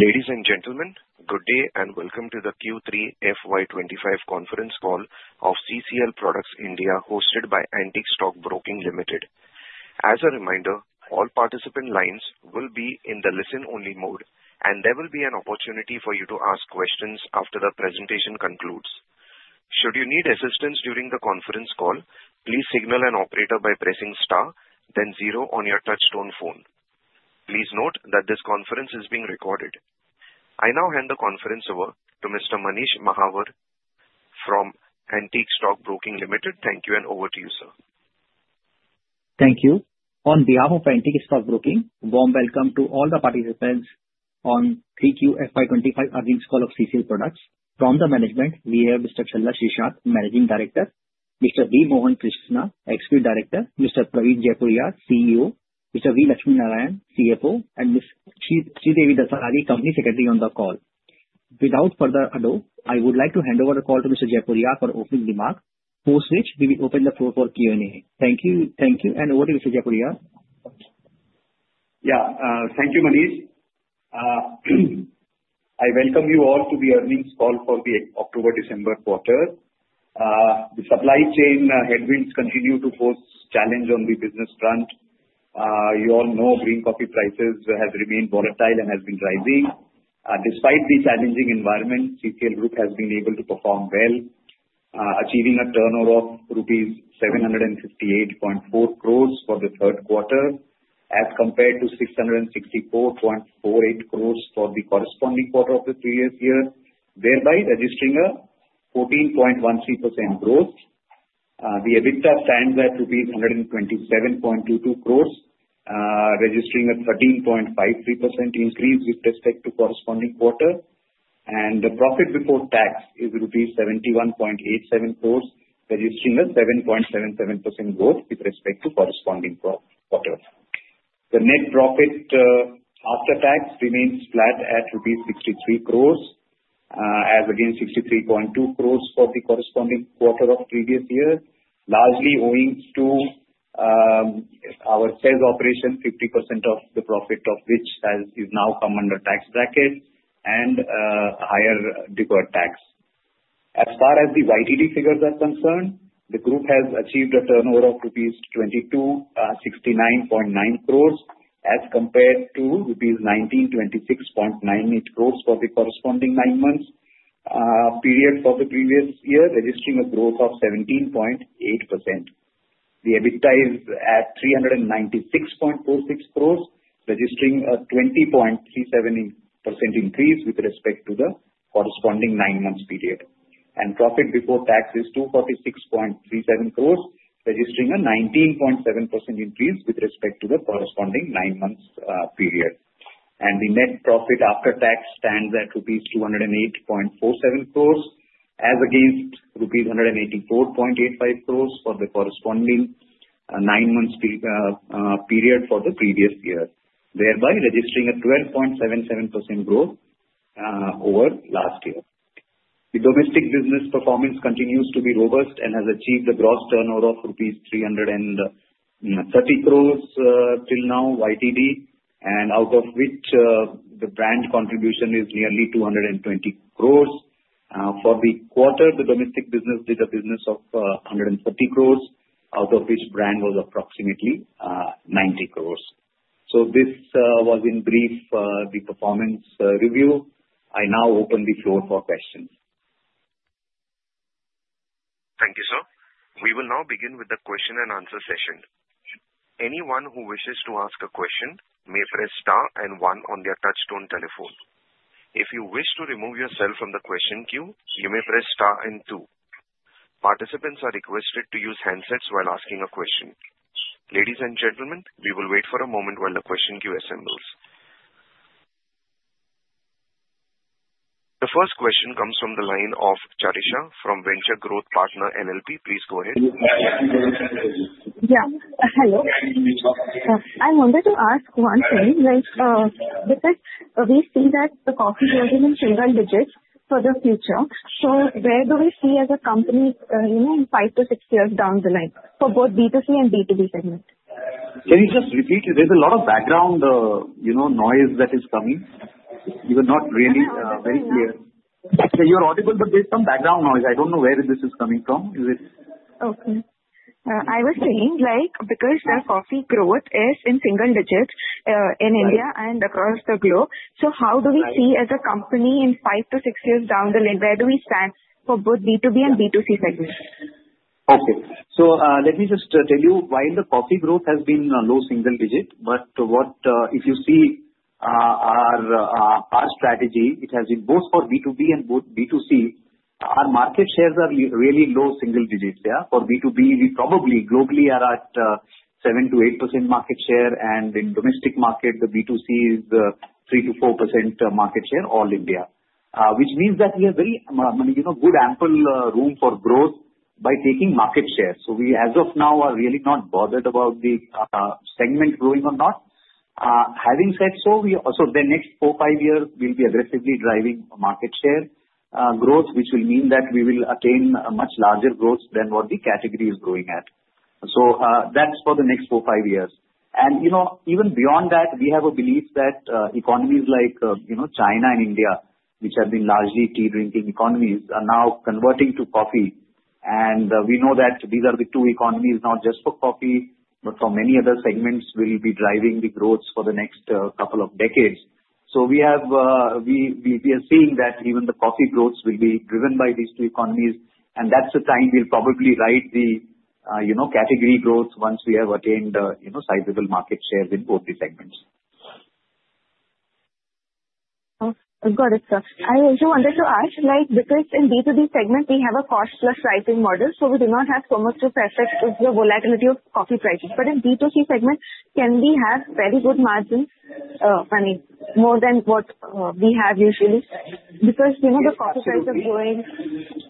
Ladies and gentlemen, good day and welcome to the Q3 FY25 conference call of CCL Products India, hosted by Antique Stock Broking Limited. As a reminder, all participant lines will be in the listen-only mode, and there will be an opportunity for you to ask questions after the presentation concludes. Should you need assistance during the conference call, please signal an operator by pressing star, then zero on your touch-tone phone. Please note that this conference is being recorded. I now hand the conference over to Mr. Manish Mahawar from Antique Stock Broking Limited. Thank you, and over to you, sir. Thank you. On behalf of Antique Stock Broking, warm welcome to all the participants on 3Q FY25 earnings call of CCL Products. From the management, we have Mr. Challa Srishant, Managing Director, Mr. V. Mohan Krishna, Executive Director, Mr. Praveen Jaipuriar, CEO, Mr. V. Lakshmi Narayana, CFO, and Ms. Sridevi Dasarathy, Company Secretary on the call. Without further ado, I would like to hand over the call to Mr. Jaipuriar for opening remarks, post which we will open the floor for Q&A. Thank you, and over to Mr. Jaipuriar. Yeah, thank you, Manish. I welcome you all to the earnings call for the October-December quarter. The supply chain headwinds continue to pose challenges on the business front. You all know green coffee prices have remained volatile and have been rising. Despite the challenging environment, CCL Group has been able to perform well, achieving a turnover of rupees 758.4 crores for the third quarter, as compared to 664.48 crores for the corresponding quarter of the previous year, thereby registering a 14.13% growth. The EBITDA stands at rupees 127.22 crores, registering a 13.53% increase with respect to the corresponding quarter. The profit before tax is rupees 71.87 crores, registering a 7.77% growth with respect to the corresponding quarter. The net profit after tax remains flat at ₹63 crores, as against ₹63.2 crores for the corresponding quarter of the previous year, largely owing to our sales operation, 50% of the profit of which has now come under the tax bracket and higher deferred tax. As far as the YTD figures are concerned, the group has achieved a turnover of ₹2269.9 crores, as compared to ₹1926.98 crores for the corresponding nine-month period for the previous year, registering a growth of 17.8%. The EBITDA is at ₹396.46 crores, registering a 20.37% increase with respect to the corresponding nine-month period. Profit before tax is ₹246.37 crores, registering a 19.7% increase with respect to the corresponding nine-month period. The net profit after tax stands at ₹208.47 crores, as against ₹184.85 crores for the corresponding nine-month period for the previous year, thereby registering a 12.77% growth over last year. The domestic business performance continues to be robust and has achieved a gross turnover of rupees 330 crores till now YTD, and out of which the brand contribution is nearly 220 crores. For the quarter, the domestic business did a business of 130 crores, out of which brand was approximately 90 crores. So this was, in brief, the performance review. I now open the floor for questions. Thank you, sir. We will now begin with the question-and-answer session. Anyone who wishes to ask a question may press star and one on their touch-tone telephone. If you wish to remove yourself from the question queue, you may press star and two. Participants are requested to use handsets while asking a question. Ladies and gentlemen, we will wait for a moment while the question queue assembles. The first question comes from the line of Charisha from Venture Growth Partner LLP. Please go ahead. Yeah, hello. I wanted to ask one thing. Because we see that the coffee growth is in single digits for the future, so where do we see as a company in five to six years down the line for both B2C and B2B segment? Can you just repeat? There's a lot of background noise that is coming. You are not really very clear. Yeah You're audible, but there's some background noise. I don't know where this is coming from. Okay. I was saying because the coffee growth is in single digits in India and across the globe, so how do we see as a company in five to six years down the line, where do we stand for both B2B and B2C segment? Okay. So let me just tell you why the coffee growth has been low single digit. But if you see our strategy, it has been both for B2B and both B2C, our market shares are really low single digits. Yeah, for B2B, we probably globally are at 7%-8% market share, and in the domestic market, the B2C is 3%-4% market share all India, which means that we have very good ample room for growth by taking market share. So we, as of now, are really not bothered about the segment growing or not. Having said so, so the next four, five years, we'll be aggressively driving market share growth, which will mean that we will attain much larger growth than what the category is growing at. So that's for the next four, five years. And even beyond that, we have a belief that economies like China and India, which have been largely tea-drinking economies, are now converting to coffee. And we know that these are the two economies not just for coffee, but for many other segments will be driving the growth for the next couple of decades. So we are seeing that even the coffee growth will be driven by these two economies, and that's the time we'll probably ride the category growth once we have attained sizable market shares in both the segments. Got it, sir. I also wanted to ask, because in B2B segment, we have a cost-plus pricing model, so we do not have so much to protect the volatility of coffee prices. But in B2C segment, can we have very good margins, I mean, more than what we have usually? Because the coffee price is going.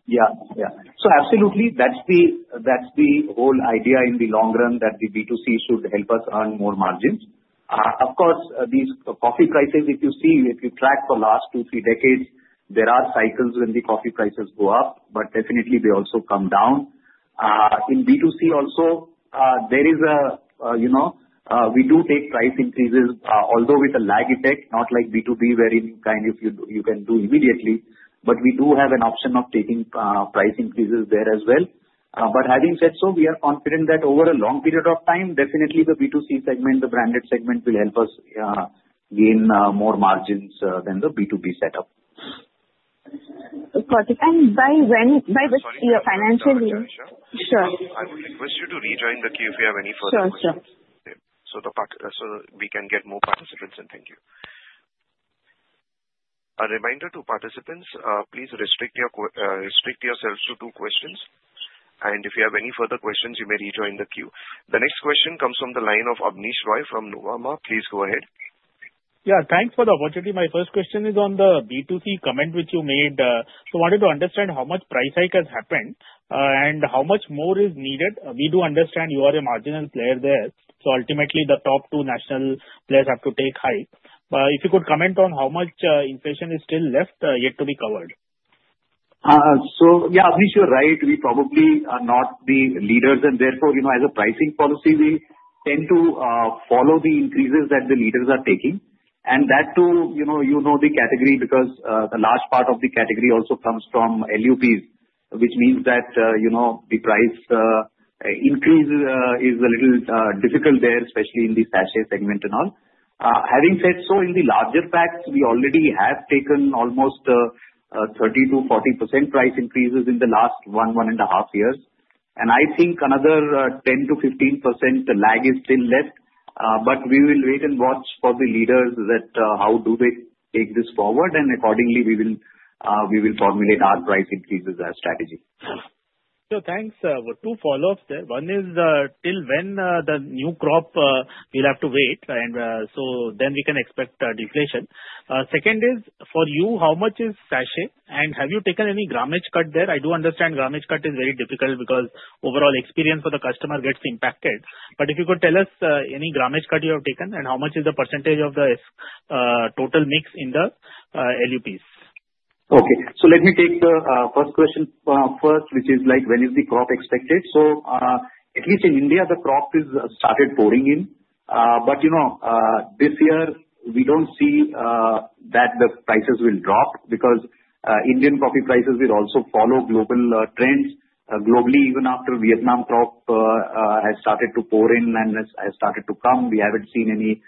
Yeah, yeah. So absolutely, that's the whole idea in the long run that the B2C should help us earn more margins. Of course, these coffee prices, if you see, if you track for the last two, three decades, there are cycles when the coffee prices go up, but definitely they also come down. In B2C also, there is, we do take price increases, although with a lag effect, not like B2B wherein kind of you can do immediately, but we do have an option of taking price increases there as well. But having said so, we are confident that over a long period of time, definitely the B2C segment, the branded segment will help us gain more margins than the B2B setup. Got it. And by when? By which year? Financial year? Sure. I would request you to rejoin the queue if you have any further questions. Sure, sir. So we can get more participants in. Thank you. A reminder to participants, please restrict yourselves to two questions. And if you have any further questions, you may rejoin the queue. The next question comes from the line of Abneesh Roy from Nuvama. Please go ahead. Yeah, thanks for the opportunity. My first question is on the B2C comment which you made. So I wanted to understand how much price hike has happened and how much more is needed. We do understand you are a marginal player there. So ultimately, the top two national players have to take the lead. But if you could comment on how much inflation is still left yet to be covered. So yeah, Abneesh, you're right. We probably are not the leaders, and therefore, as a pricing policy, we tend to follow the increases that the leaders are taking. And that too, you know the category because a large part of the category also comes from LUPs, which means that the price increase is a little difficult there, especially in the sachet segment and all. Having said so, in the larger packs, we already have taken almost 30%-40% price increases in the last one, one and a half years. And I think another 10%-15% lag is still left, but we will wait and watch for the leaders that how do they take this forward, and accordingly, we will formulate our pricing strategy. So, thanks. Two follow-ups there. One is till when the new crop, we'll have to wait, and so then we can expect deflation. Second is, for you, how much is sachet? And have you taken any gramage cut there? I do understand gramage cut is very difficult because overall experience for the customer gets impacted. But if you could tell us any gramage cut you have taken and how much is the percentage of the total mix in the LUPs? Okay. So let me take the first question first, which is when is the crop expected? So at least in India, the crop has started pouring in. But this year, we don't see that the prices will drop because Indian coffee prices will also follow global trends. Globally, even after Vietnam crop has started to pour in and has started to come, we haven't seen any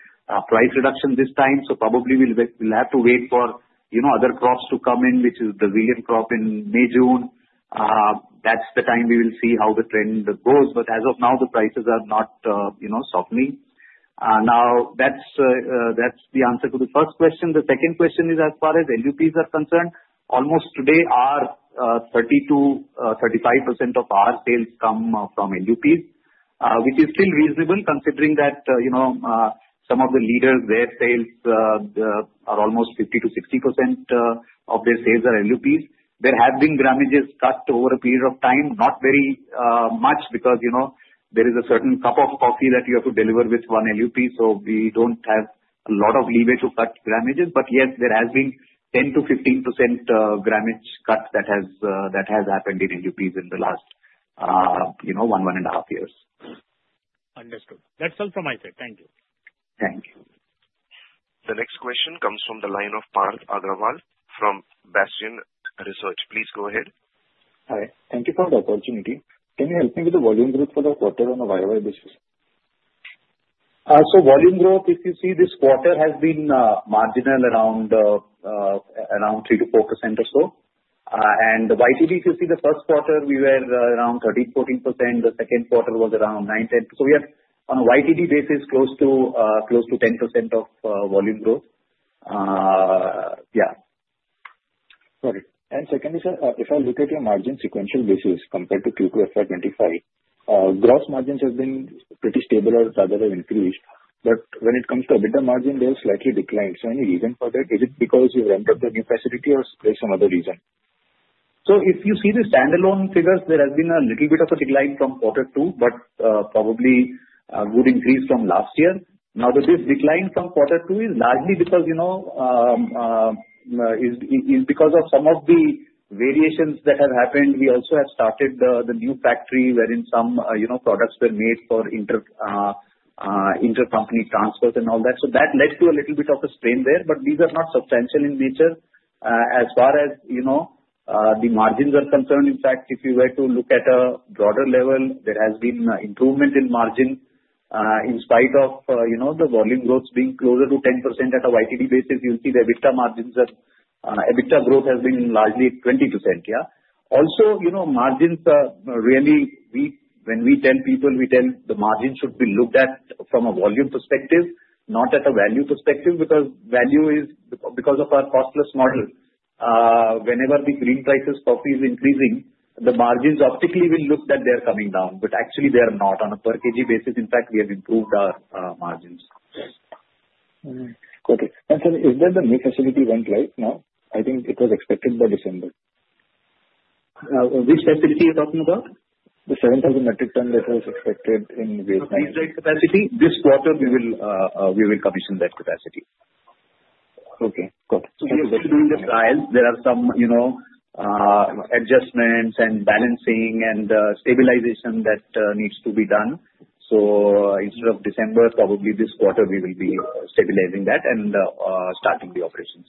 price reduction this time. So probably we'll have to wait for other crops to come in, which is the Brazil crop in May, June. That's the time we will see how the trend goes. But as of now, the prices are not softening. Now, that's the answer to the first question. The second question is as far as LUPs are concerned, almost today 32-35% of our sales come from LUPs, which is still reasonable considering that some of the leaders, their sales are almost 50-60% of their sales are LUPs. There have been gramages cut over a period of time, not very much because there is a certain cup of coffee that you have to deliver with one LUP, so we don't have a lot of leeway to cut gramages. But yes, there has been 10-15% gramage cut that has happened in LUPs in the last one, one and a half years. Understood. That's all from my side. Thank you. Thank you. The next question comes from the line of Parth Agrawal from Bastion Research. Please go ahead. Hi. Thank you for the opportunity. Can you help me with the volume growth for the quarter on a YoY basis? So volume growth, if you see, this quarter has been marginal, around 3-4% or so. And YTD, if you see, the first quarter, we were around 13-14%. The second quarter was around 9-10%. So we have, on a YTD basis, close to 10% of volume growth. Yeah. Got it. And secondly, sir, if I look at your margin sequential basis compared to Q2 FY25, gross margins have been pretty stable or rather have increased. But when it comes to EBITDA margin, they have slightly declined. So any reason for that? Is it because you've ramped up the new facility or there's some other reason? So if you see the standalone figures, there has been a little bit of a decline from quarter two, but probably a good increase from last year. Now, this decline from quarter two is largely because of some of the variations that have happened. We also have started the new factory wherein some products were made for intercompany transfers and all that. So that led to a little bit of a strain there, but these are not substantial in nature as far as the margins are concerned. In fact, if you were to look at a broader level, there has been improvement in margin. In spite of the volume growth being closer to 10% at a YTD basis, you'll see the EBITDA growth has been largely 20%. Yeah. Also, margins really, when we tell people, we tell the margin should be looked at from a volume perspective, not at a value perspective, because value is because of our cost-plus model. Whenever the green coffee prices are increasing, the margins optically will look that they are coming down, but actually, they are not on a per kg basis. In fact, we have improved our margins. Got it. And sir, is there the new facility went live now? I think it was expected by December. Which facility are you talking about? The 7,000 metric tons that was expected in. Capacity? This quarter, we will commission that capacity. Okay. Got it. We have to do just trials. There are some adjustments and balancing and stabilization that needs to be done. Instead of December, probably this quarter, we will be stabilizing that and starting the operations.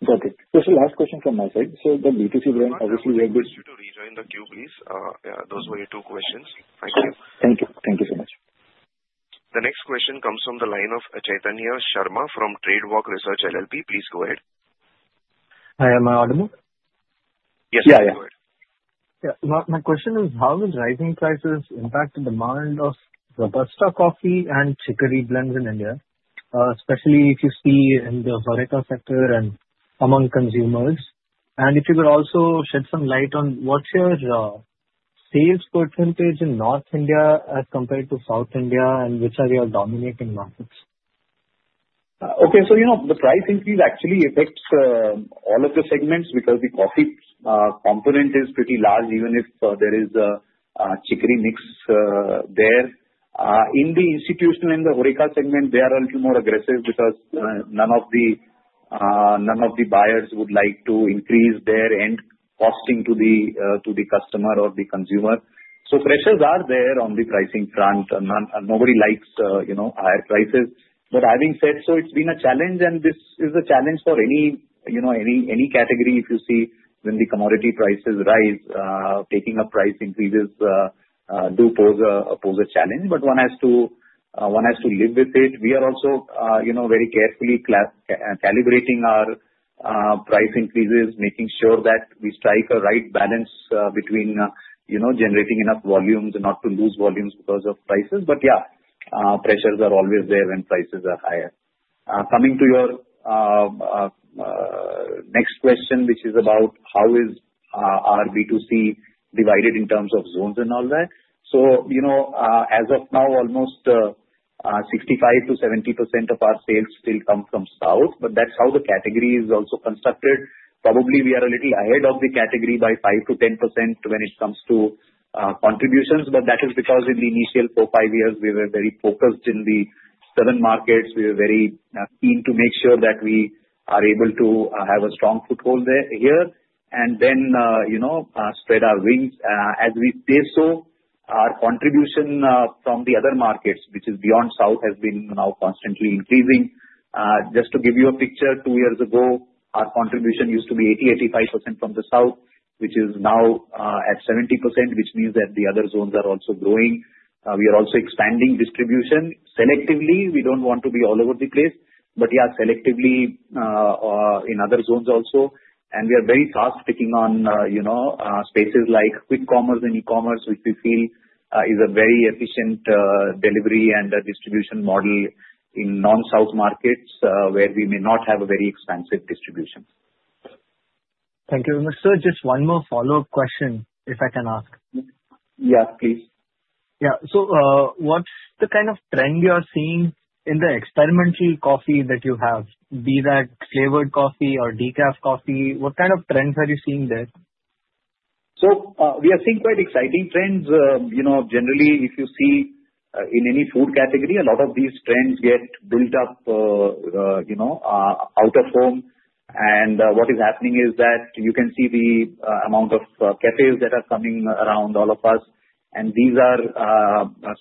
Got it. So the last question from my side. So the B2C brand, obviously, we have been. Thank you. To rejoin the queue, please. Those were your two questions. Thank you. Thank you. Thank you so much. The next question comes from the line of Chaitanya Sharma from TradeWalk Research LLP. Please go ahead. Hi. Am I audible? Yes, sir. Go ahead. Yeah. My question is, how will rising prices impact the demand of Robusta coffee and chicory blends in India, especially if you see in the Horeca sector and among consumers? And if you could also shed some light on what's your sales percentage in North India as compared to South India and which are your dominating markets? Okay. So the price increase actually affects all of the segments because the coffee component is pretty large, even if there is a chicory mix there. In the institutional and the Horeca segment, they are a little more aggressive because none of the buyers would like to increase their end costing to the customer or the consumer. So pressures are there on the pricing front. Nobody likes higher prices. But having said so, it's been a challenge, and this is a challenge for any category. If you see, when the commodity prices rise, taking up price increases do pose a challenge, but one has to live with it. We are also very carefully calibrating our price increases, making sure that we strike a right balance between generating enough volumes and not to lose volumes because of prices. But yeah, pressures are always there when prices are higher. Coming to your next question, which is about how is our B2C divided in terms of zones and all that. So as of now, almost 65%-70% of our sales still come from south, but that's how the category is also constructed. Probably we are a little ahead of the category by 5%-10% when it comes to contributions, but that is because in the initial four, five years, we were very focused in the southern markets. We were very keen to make sure that we are able to have a strong foothold here, and then spread our wings. As we did so, our contribution from the other markets, which is beyond south, has been now constantly increasing. Just to give you a picture, two years ago, our contribution used to be 80%-85% from the south, which is now at 70%, which means that the other zones are also growing. We are also expanding distribution selectively. We don't want to be all over the place, but yeah, selectively in other zones also, and we are very fast picking on spaces like quick commerce and e-commerce, which we feel is a very efficient delivery and distribution model in non-south markets where we may not have a very expansive distribution. Thank you, and sir, just one more follow-up question, if I can ask. Yeah, please. Yeah, so what's the kind of trend you are seeing in the experimental coffee that you have, be that flavored coffee or decaf coffee? What kind of trends are you seeing there? So we are seeing quite exciting trends. Generally, if you see in any food category, a lot of these trends get built up out of home. And what is happening is that you can see the amount of cafes that are coming around all of us, and these are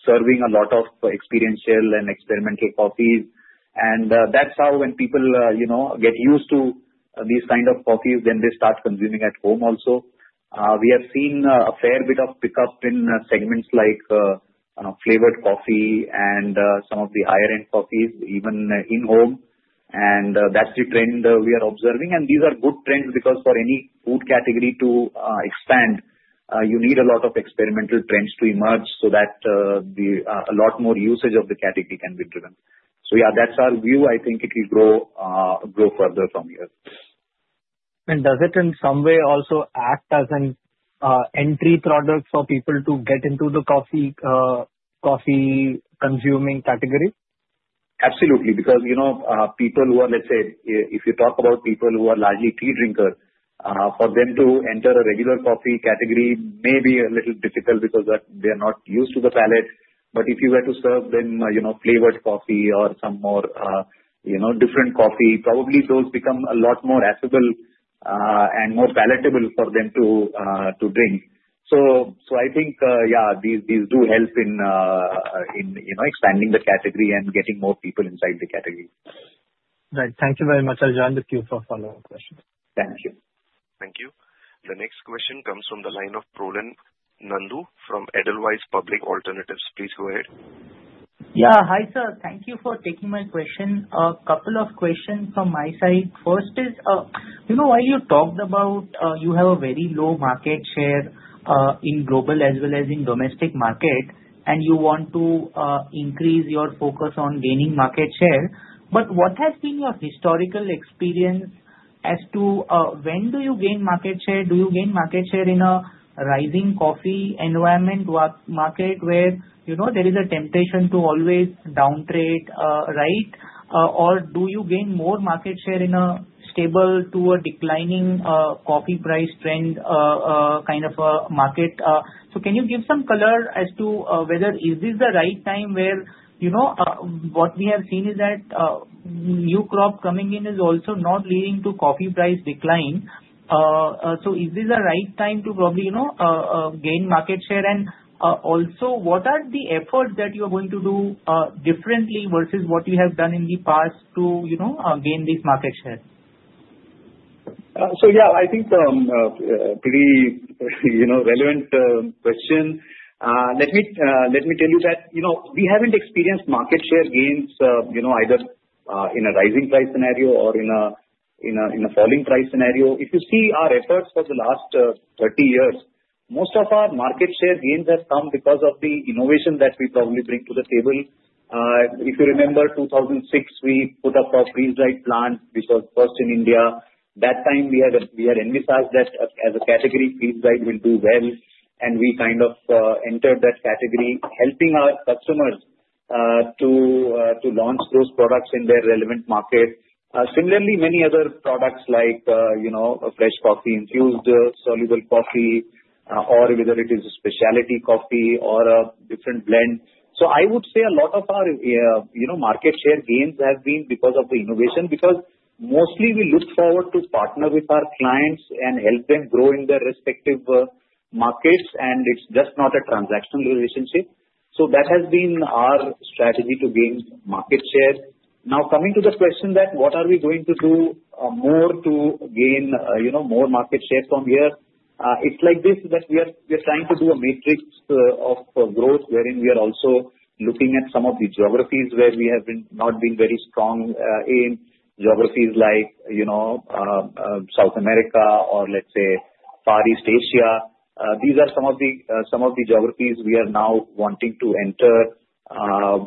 serving a lot of experiential and experimental coffees. And that's how when people get used to these kind of coffees, then they start consuming at home also. We have seen a fair bit of pickup in segments like flavored coffee and some of the higher-end coffees, even in home. And that's the trend we are observing. And these are good trends because for any food category to expand, you need a lot of experimental trends to emerge so that a lot more usage of the category can be driven. So yeah, that's our view. I think it will grow further from here. Does it in some way also act as an entry product for people to get into the coffee-consuming category? Absolutely. Because people who are, let's say, if you talk about people who are largely tea drinkers, for them to enter a regular coffee category may be a little difficult because they are not used to the palate. But if you were to serve them flavored coffee or some more different coffee, probably those become a lot more affable and more palatable for them to drink. So I think, yeah, these do help in expanding the category and getting more people inside the category. Right. Thank you very much. I'll join the queue for follow-up questions. Thank you. Thank you. The next question comes from the line of Prolin Nandu from Edelweiss Public Alternatives. Please go ahead. Yeah. Hi, sir. Thank you for taking my question. A couple of questions from my side. First is, while you talked about you have a very low market share in global as well as in domestic market, and you want to increase your focus on gaining market share. But what has been your historical experience as to when do you gain market share? Do you gain market share in a rising coffee environment market where there is a temptation to always downtrade, right? Or do you gain more market share in a stable to a declining coffee price trend kind of market? So can you give some color as to whether is this the right time where what we have seen is that new crop coming in is also not leading to coffee price decline? So is this the right time to probably gain market share? Also, what are the efforts that you are going to do differently versus what you have done in the past to gain this market share? So yeah, I think it's a pretty relevant question. Let me tell you that we haven't experienced market share gains either in a rising price scenario or in a falling price scenario. If you see our efforts for the last 30 years, most of our market share gains have come because of the innovation that we probably bring to the table. If you remember, 2006, we put up our freeze-dried plant, which was first in India. That time, we had envisaged that as a category, freeze-dried will do well. And we kind of entered that category, helping our customers to launch those products in their relevant market. Similarly, many other products like fresh coffee, infused soluble coffee, or whether it is a specialty coffee or a different blend. So I would say a lot of our market share gains have been because of the innovation, because mostly we look forward to partner with our clients and help them grow in their respective markets, and it's just not a transactional relationship. So that has been our strategy to gain market share. Now, coming to the question that what are we going to do more to gain more market share from here, it's like this that we are trying to do a matrix of growth wherein we are also looking at some of the geographies where we have not been very strong in, geographies like South America or, let's say, Far East Asia. These are some of the geographies we are now wanting to enter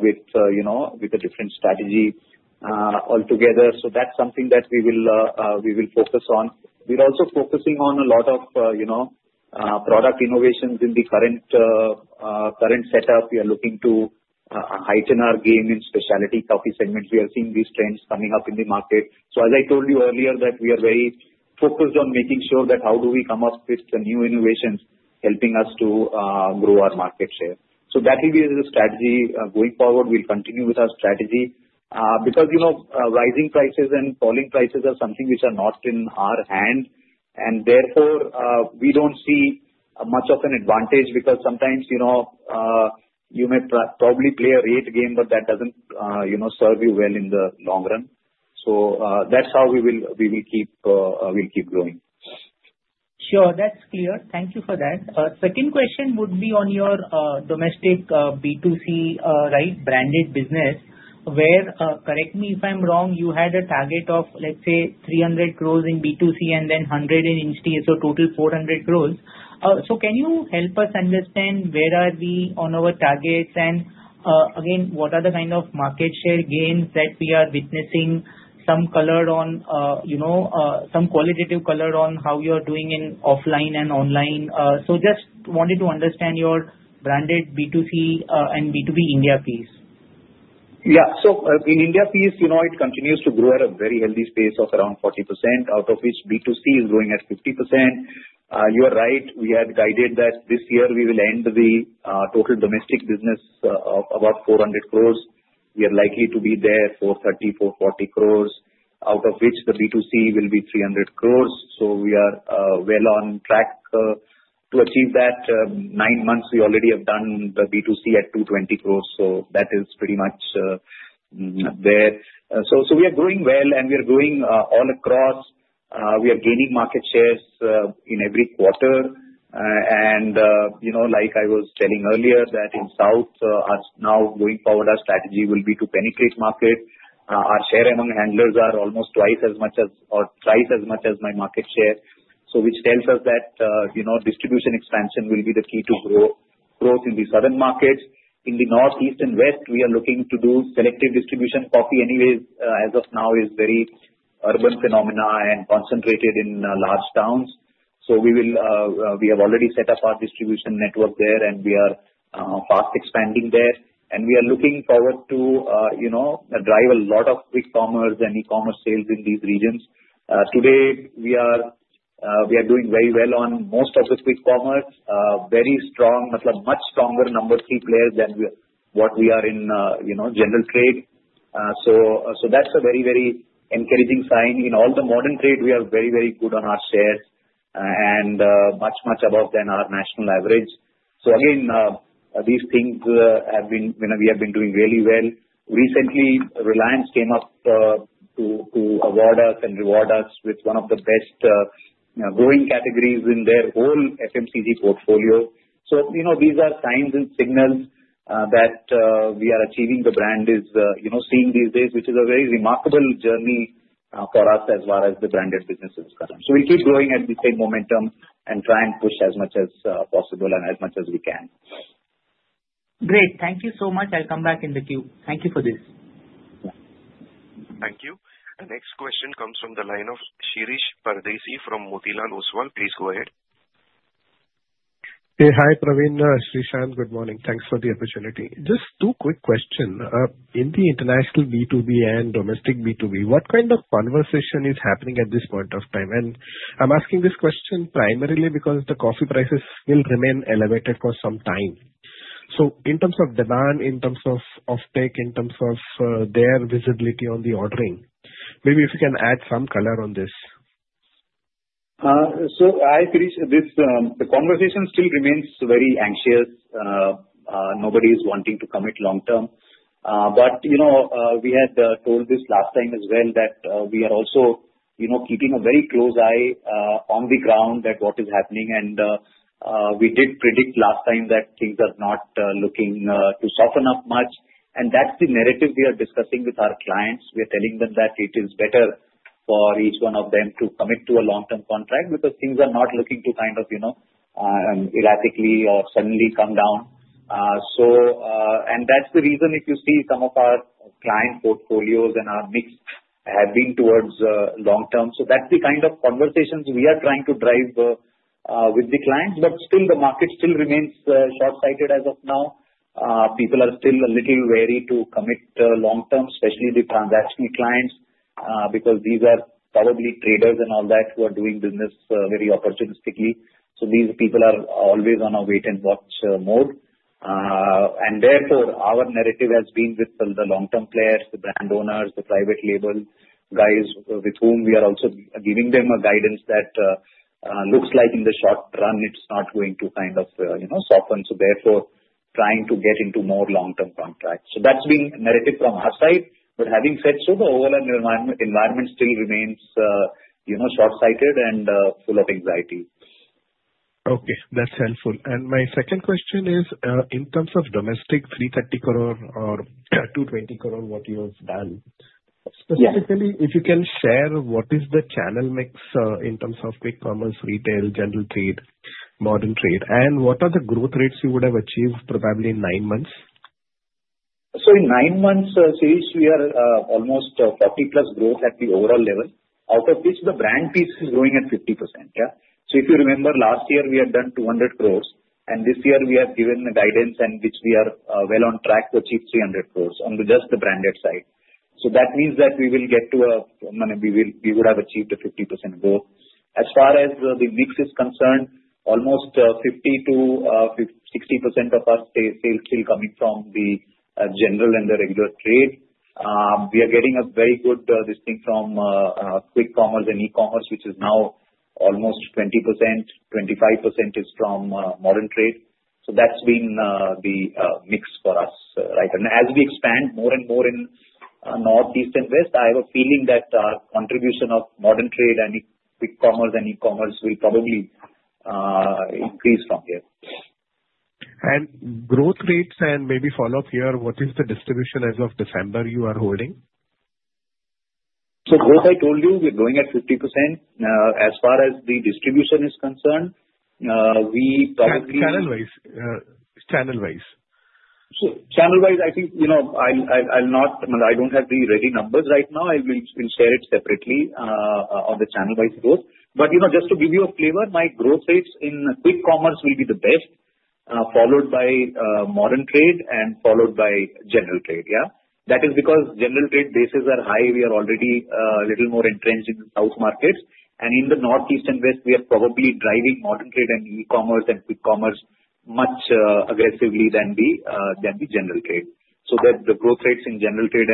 with a different strategy altogether. So that's something that we will focus on. We're also focusing on a lot of product innovations in the current setup. We are looking to heighten our game in specialty coffee segments. We are seeing these trends coming up in the market. So as I told you earlier, that we are very focused on making sure that how do we come up with the new innovations helping us to grow our market share. So that will be the strategy going forward. We'll continue with our strategy because rising prices and falling prices are something which are not in our hand. And therefore, we don't see much of an advantage because sometimes you may probably play a rate game, but that doesn't serve you well in the long run. So that's how we will keep growing. Sure. That's clear. Thank you for that. Second question would be on your domestic B2C, right, branded business, where, correct me if I'm wrong, you had a target of, let's say, 300 crores in B2C and then 100 in Horeca, total 400 crores. So can you help us understand where are we on our targets? And again, what are the kind of market share gains that we are witnessing, some color on some qualitative color on how you are doing in offline and online? So just wanted to understand your branded B2C and B2B India, please. Yeah. So in India, it continues to grow at a very healthy pace of around 40%, out of which B2C is growing at 50%. You are right. We have guided that this year we will end the total domestic business of about 400 crores. We are likely to be there for 30-40 crores, out of which the B2C will be 300 crores. So we are well on track to achieve that. Nine months, we already have done the B2C at 220 crores. So that is pretty much there. So we are growing well, and we are growing all across. We are gaining market shares in every quarter. And like I was telling earlier, that in south, now going forward, our strategy will be to penetrate market. Our share among handlers are almost twice as much or thrice as much as my market share, which tells us that distribution expansion will be the key to growth in the southern markets. In the northeast and west, we are looking to do selective distribution. Coffee, anyways, as of now, is very urban phenomena and concentrated in large towns. So we have already set up our distribution network there, and we are fast expanding there, and we are looking forward to drive a lot of quick commerce and e-commerce sales in these regions. Today, we are doing very well on most of the quick commerce, very strong, much stronger number three player than what we are in general trade. So that's a very, very encouraging sign. In all the modern trade, we are very, very good on our shares and much, much above than our national average. So, again, these things we have been doing really well. Recently, Reliance came up to award us and reward us with one of the best growing categories in their whole FMCG portfolio. These are signs and signals that we are achieving. The brand is seeing these days, which is a very remarkable journey for us as far as the branded business is concerned. We'll keep growing at the same momentum and try and push as much as possible and as much as we can. Great. Thank you so much. I'll come back in the queue. Thank you for this. Thank you. The next question comes from the line of Shirish Pardeshi from Motilal Oswal. Please go ahead. Hey, hi, Praveen. Srishant, good morning. Thanks for the opportunity. Just two quick questions. In the international B2B and domestic B2B, what kind of conversation is happening at this point of time? And I'm asking this question primarily because the coffee prices will remain elevated for some time. So in terms of demand, in terms of off-take, in terms of their visibility on the ordering, maybe if you can add some color on this. So hi, Shirish. The conversation still remains very anxious. Nobody is wanting to commit long-term. But we had told this last time as well that we are also keeping a very close eye on the ground at what is happening. And we did predict last time that things are not looking to soften up much. And that's the narrative we are discussing with our clients. We are telling them that it is better for each one of them to commit to a long-term contract because things are not looking to kind of erratically or suddenly come down. And that's the reason if you see some of our client portfolios and our mix have been towards long-term. So that's the kind of conversations we are trying to drive with the clients. But still, the market still remains short-sighted as of now. People are still a little wary to commit long-term, especially the transactional clients, because these are probably traders and all that who are doing business very opportunistically. So these people are always on a wait-and-watch mode, and therefore, our narrative has been with the long-term players, the brand owners, the private label guys with whom we are also giving them guidance that looks like in the short run, it's not going to kind of soften, so therefore, trying to get into more long-term contracts, so that's been the narrative from our side, but having said so, the overall environment still remains short-sighted and full of anxiety. Okay. That's helpful. And my second question is, in terms of domestic 330 crore or 220 crore, what you have done? Specifically, if you can share what is the channel mix in terms of quick commerce, retail, general trade, modern trade, and what are the growth rates you would have achieved probably in nine months? So in nine months, Shirish, we are almost 40-plus growth at the overall level. Out of which, the brand piece is growing at 50%. Yeah. So if you remember, last year, we had done 200 crores. And this year, we have given the guidance and which we are well on track to achieve 300 crores on just the branded side. So that means that we will get to. We would have achieved a 50% growth. As far as the mix is concerned, almost 50%-60% of our sales are still coming from the general and the regular trade. We are getting a very good traction from quick commerce and e-commerce, which is now almost 20%. 25% is from modern trade. So that's been the mix for us. As we expand more and more in northeast and west, I have a feeling that our contribution of modern trade and quick commerce and e-commerce will probably increase from here. Growth rates and maybe follow-up here. What is the distribution as of December you are holding? So growth, I told you, we're going at 50%. As far as the distribution is concerned, we probably. Channel-wise. Channel-wise. So channel-wise, I think I don't have the ready numbers right now. I will share it separately on the channel-wise growth. But just to give you a flavor, my growth rates in quick commerce will be the best, followed by modern trade and followed by general trade. Yeah. That is because general trade bases are high. We are already a little more entrenched in the south markets. And in the northeast and west, we are probably driving modern trade and e-commerce and quick commerce much aggressively than the general trade. So that the growth rates in general trade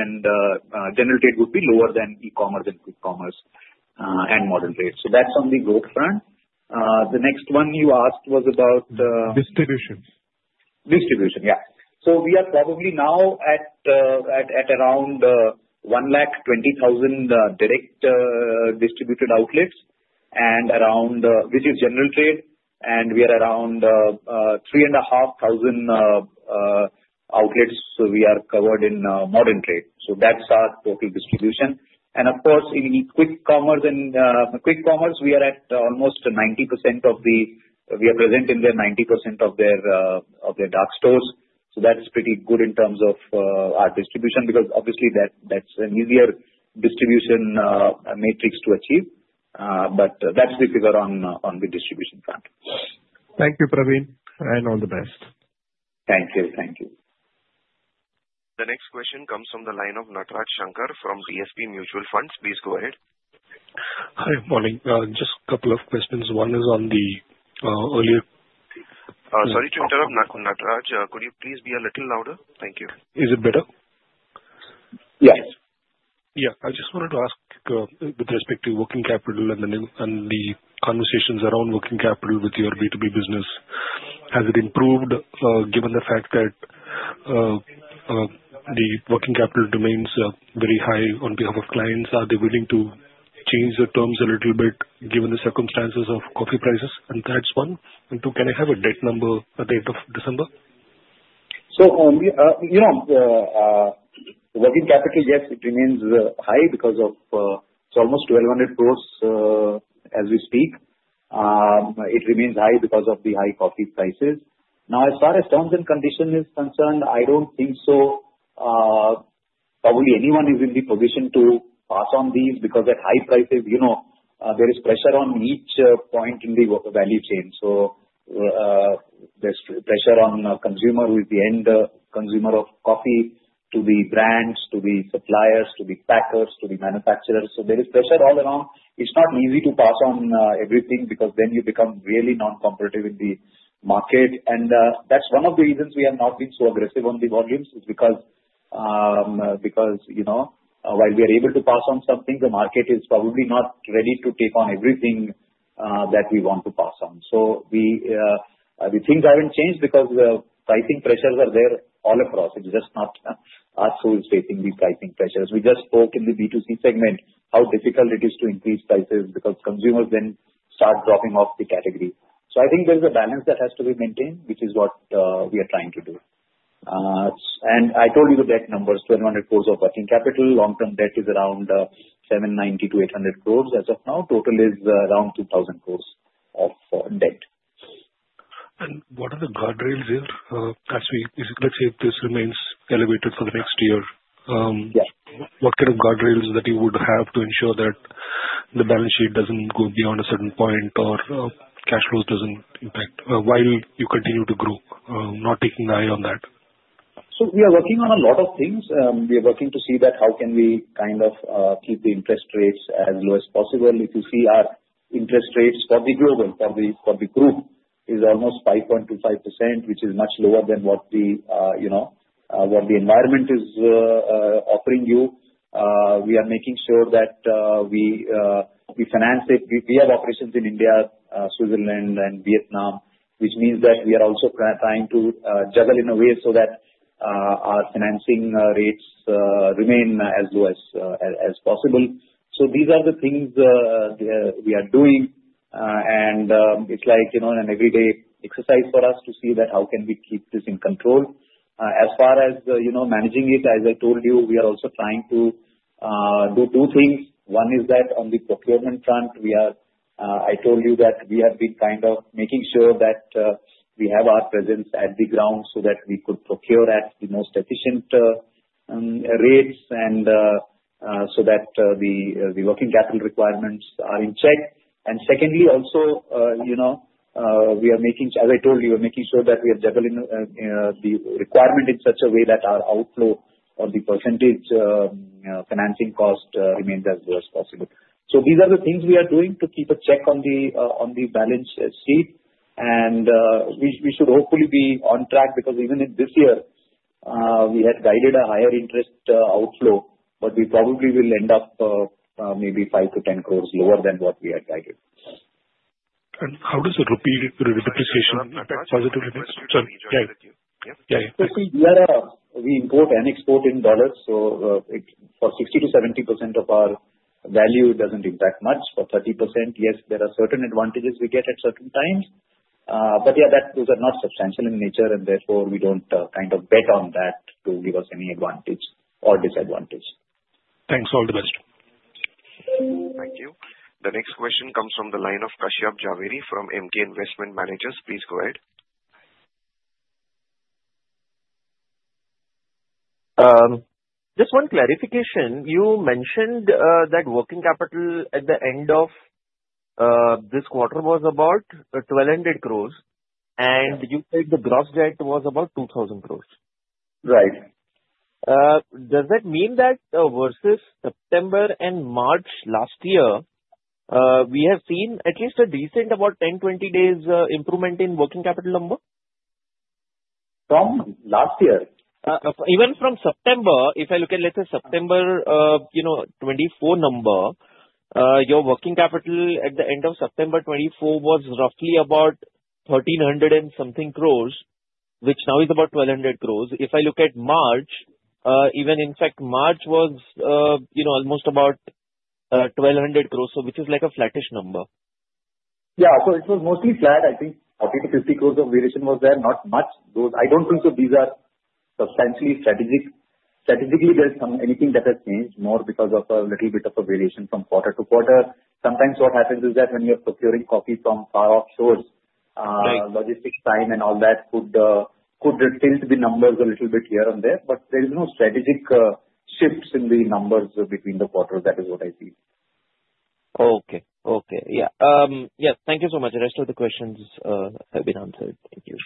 would be lower than e-commerce and quick commerce and modern trade. So that's on the growth front. The next one you asked was about. Distribution. Distribution. Yeah. So we are probably now at around 120,000 direct distributed outlets, which is general trade. And we are around 3,500 outlets in modern trade. So that's our total distribution. And of course, in quick commerce, we are at almost 90%. We are present in 90% of their dark stores. So that's pretty good in terms of our distribution because obviously, that's an easier distribution matrix to achieve. But that's the figure on the distribution front. Thank you, Praveen, and all the best. Thank you. Thank you. The next question comes from the line of Nataraj Shankar from DSP Mutual Fund. Please go ahead. Hi, morning. Just a couple of questions. One is on the earlier. Sorry to interrupt, Nataraj. Could you please be a little louder? Thank you. Is it better? Yes. Yeah. I just wanted to ask with respect to working capital and the conversations around working capital with your B2B business. Has it improved given the fact that the working capital demands are very high on behalf of clients? Are they willing to change the terms a little bit given the circumstances of coffee prices? And that's one. And two, can I have a debt number as of December? So working capital, yes, it remains high because of its almost 1,200 crores as we speak. It remains high because of the high coffee prices. Now, as far as terms and conditions are concerned, I don't think so. Probably anyone is in the position to pass on these because at high prices, there is pressure on each point in the value chain. So there's pressure on the consumer who is the end consumer of coffee to the brands, to the suppliers, to the packers, to the manufacturers. So there is pressure all around. It's not easy to pass on everything because then you become really non-competitive in the market. And that's one of the reasons we have not been so aggressive on the volumes is because while we are able to pass on something, the market is probably not ready to take on everything that we want to pass on. So the things haven't changed because the pricing pressures are there all across. It's just not us who is facing these pricing pressures. We just spoke in the B2C segment how difficult it is to increase prices because consumers then start dropping off the category. So I think there's a balance that has to be maintained, which is what we are trying to do. And I told you the debt numbers, 2,100 crores of working capital. Long-term debt is around 790-800 crores as of now. Total is around 2,000 crores of debt. What are the guardrails here? Let's say this remains elevated for the next year. What kind of guardrails that you would have to ensure that the balance sheet doesn't go beyond a certain point or cash flows doesn't impact while you continue to grow? Not taking the eye off that. So we are working on a lot of things. We are working to see that how can we kind of keep the interest rates as low as possible. If you see our interest rates for the global, for the group, is almost 5.25%, which is much lower than what the environment is offering you. We are making sure that we finance it. We have operations in India, Switzerland, and Vietnam, which means that we are also trying to juggle in a way so that our financing rates remain as low as possible. So these are the things we are doing. And it's like an every day exercise for us to see that how can we keep this in control. As far as managing it, as I told you, we are also trying to do two things. One is that on the procurement front, I told you that we have been kind of making sure that we have our presence at the ground so that we could procure at the most efficient rates and so that the working capital requirements are in check. And secondly, also, we are making, as I told you, we are making sure that we are juggling the requirement in such a way that our outflow or the percentage financing cost remains as low as possible. So these are the things we are doing to keep a check on the balance sheet. And we should hopefully be on track because even this year, we had guided a higher interest outflow, but we probably will end up maybe 5-10 crores lower than what we had guided. And how does the repeated depreciation affect positive effects? Sorry. Yeah. Yeah. Yeah. We import and export in dollars. So for 60%-70% of our value, it doesn't impact much. For 30%, yes, there are certain advantages we get at certain times. But yeah, those are not substantial in nature. And therefore, we don't kind of bet on that to give us any advantage or disadvantage. Thanks. All the best. Thank you. The next question comes from the line of Kashyap Javeri from Emkay Investment Managers. Please go ahead. Just one clarification. You mentioned that working capital at the end of this quarter was about 1,200 crores, and you said the gross debt was about 2,000 crores. Right. Does that mean that versus September and March last year, we have seen at least a decent about 10-20 days improvement in working capital number? From last year? Even from September, if I look at, let's say, September 24 number, your working capital at the end of September 24 was roughly about 1,300 and something crores, which now is about 1,200 crores. If I look at March, even in fact, March was almost about 1,200 crores, which is like a flattish number. Yeah. So it was mostly flat. I think 40-50 crores of variation was there. Not much. I don't think so these are substantially strategic. Strategically, there's anything that has changed more because of a little bit of a variation from quarter to quarter. Sometimes what happens is that when you're procuring coffee from far-off shores, logistics time and all that could tilt the numbers a little bit here and there. But there is no strategic shifts in the numbers between the quarters. That is what I see. Okay. Yeah. Thank you so much. The rest of the questions have been answered. Thank you.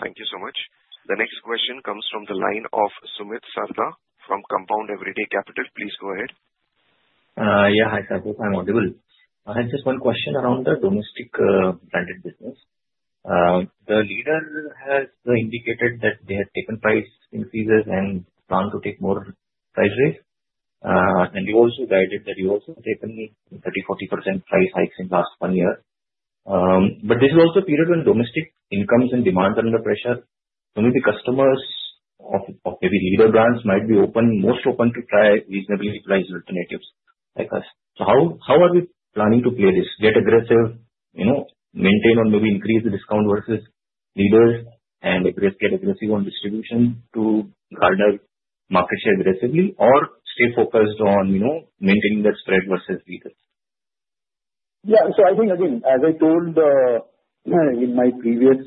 Thank you so much. The next question comes from the line of Sumit Sarda from Compound Everyday Capital. Please go ahead. Yeah. Hi, Sir. This is Imanul Jebul. I had just one question around the domestic branded business. The leader has indicated that they have taken price increases and plan to take more price raises. And you also guided that you also have taken 30%-40% price hikes in the last one year. But this is also a period when domestic incomes and demands are under pressure. So maybe customers of maybe leader brands might be most open to try reasonably priced alternatives like us. So how are we planning to play this? Get aggressive, maintain or maybe increase the discount versus leaders and get aggressive on distribution to gain market share aggressively or stay focused on maintaining that spread versus leaders? Yeah. So I think, again, as I told in my previous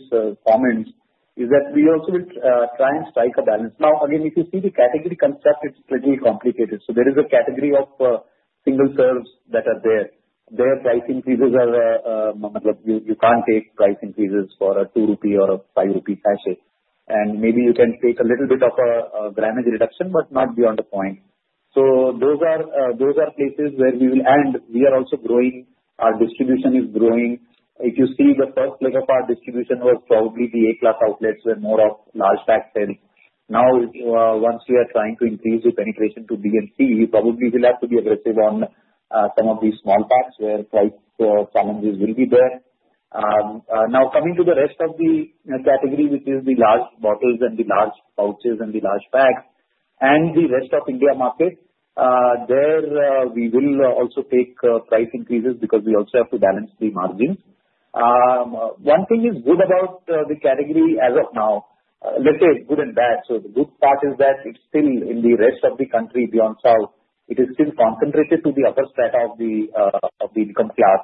comments, is that we also will try and strike a balance. Now, again, if you see the category construct, it's slightly complicated. So there is a category of single serves that are there. Their price increases. You can't take price increases for an 2 rupee or an 5 rupee sachet. And maybe you can take a little bit of a grammage reduction, but not beyond a point. So those are places where we will bend. We are also growing. Our distribution is growing. If you see the first leg of our distribution was probably the A-class outlets where more of large packs sell. Now, once we are trying to increase the penetration to B and C, we probably will have to be aggressive on some of these small packs where price challenges will be there. Now, coming to the rest of the category, which is the large bottles and the large pouches and the large bags and the rest of India market, there we will also take price increases because we also have to balance the margins. One thing is good about the category as of now. Let's say it's good and bad. So the good part is that it's still in the rest of the country beyond South. It is still concentrated to the upper strata of the income class,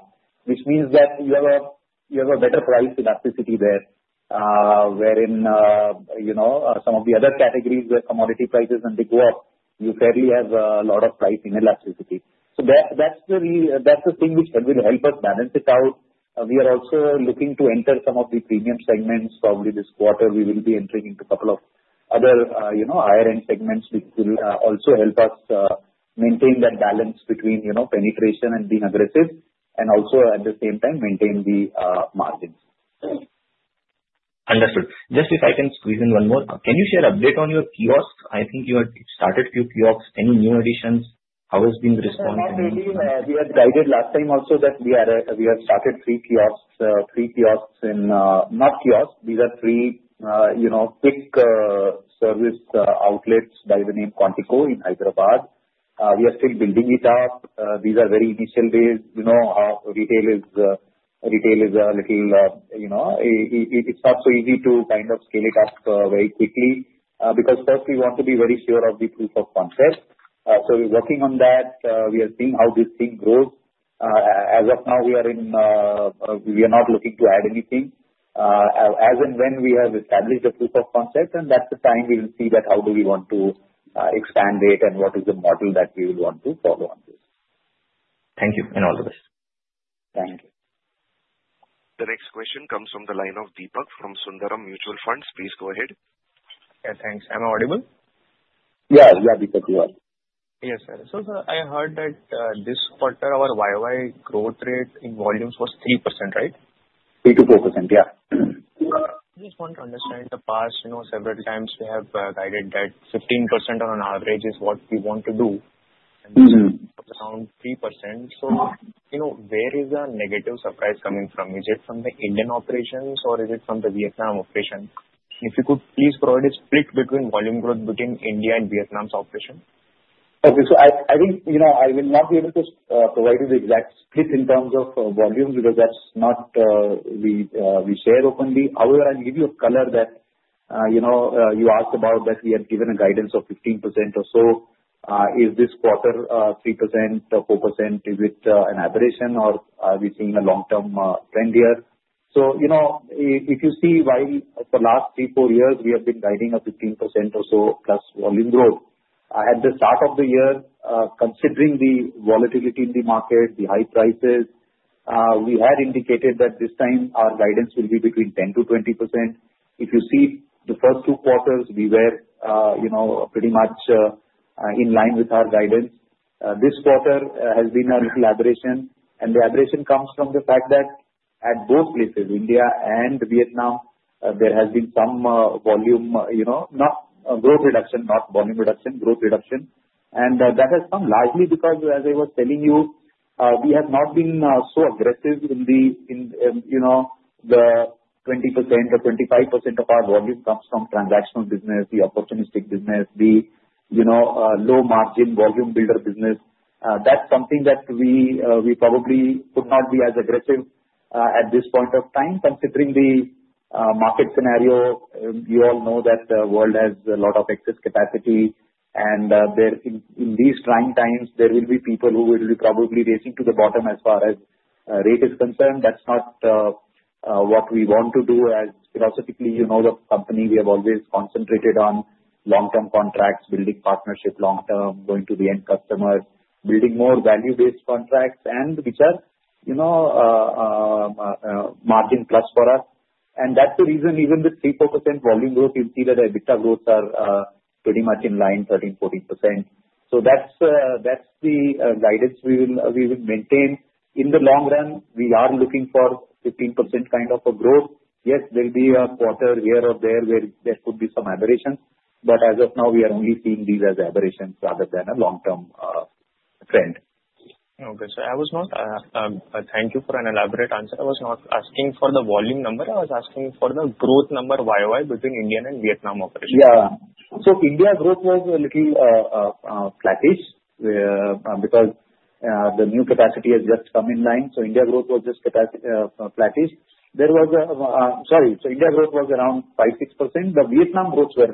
which means that you have a better price elasticity there, wherein some of the other categories where commodity prices and they go up, you fairly have a lot of price inelasticity. So that's the thing which will help us balance it out. We are also looking to enter some of the premium segments. Probably this quarter, we will be entering into a couple of other higher-end segments which will also help us maintain that balance between penetration and being aggressive and also at the same time maintain the margins. Understood. Just if I can squeeze in one more, can you share an update on your kiosk? I think you had started a few kiosks. Any new additions? How has been the response? We had guided last time also that we have started three kiosks in not kiosks. These are three quick service outlets by the name Quantico in Hyderabad. We are still building it up. These are very initial days. Retail is a little, it's not so easy to kind of scale it up very quickly because first we want to be very sure of the proof of concept. So we're working on that. We are seeing how this thing grows. As of now, we are not looking to add anything. As and when we have established the proof of concept, and that's the time we will see that how do we want to expand it and what is the model that we will want to follow on this. Thank you and all the best. Thank you. The next question comes from the line of Deepak from Sundaram Mutual Fund. Please go ahead. Yeah. Thanks. I'm audible? Yeah. Yeah, Deepak, you are. Yes, sir. So I heard that this quarter, our YY growth rate in volumes was 3%, right? 3%-4%, yeah. I just want to understand the past several times we have guided that 15% on average is what we want to do and around 3%. So where is the negative surprise coming from? Is it from the Indian operations or is it from the Vietnam operation? If you could please provide a split between volume growth between India and Vietnam's operation. Okay. So I think I will not be able to provide you the exact split in terms of volume because that's not what we share openly. However, I'll give you a color that you asked about that we have given a guidance of 15% or so. Is this quarter 3%, 4%? Is it an aberration or are we seeing a long-term trend here? So if you see while for the last three, four years, we have been guiding a 15% or so plus volume growth. At the start of the year, considering the volatility in the market, the high prices, we had indicated that this time our guidance will be between 10%-20%. If you see the first two quarters, we were pretty much in line with our guidance. This quarter has been a little aberration. The aberration comes from the fact that at both places, India and Vietnam, there has been some volume, not growth reduction, not volume reduction, growth reduction. And that has come largely because, as I was telling you, we have not been so aggressive in the 20% or 25% of our volume comes from transactional business, the opportunistic business, the low-margin volume builder business. That's something that we probably could not be as aggressive at this point of time. Considering the market scenario, you all know that the world has a lot of excess capacity. And in these trying times, there will be people who will be probably racing to the bottom as far as rate is concerned. That's not what we want to do. As philosophically, you know the company, we have always concentrated on long-term contracts, building partnership long-term, going to the end customers, building more value-based contracts, and which are margin plus for us, and that's the reason even with 3-4% volume growth, you see that EBITDA growths are pretty much in line, 13-14%, so that's the guidance we will maintain. In the long run, we are looking for 15% kind of a growth. Yes, there will be a quarter here or there where there could be some aberrations, but as of now, we are only seeing these as aberrations rather than a long-term trend. Okay. So, thank you for an elaborate answer. I was not asking for the volume number. I was asking for the growth number YY between India and Vietnam operations. Yeah. So India growth was a little flattish because the new capacity has just come in line. So India growth was just flattish. So India growth was around 5-6%. The Vietnam growths were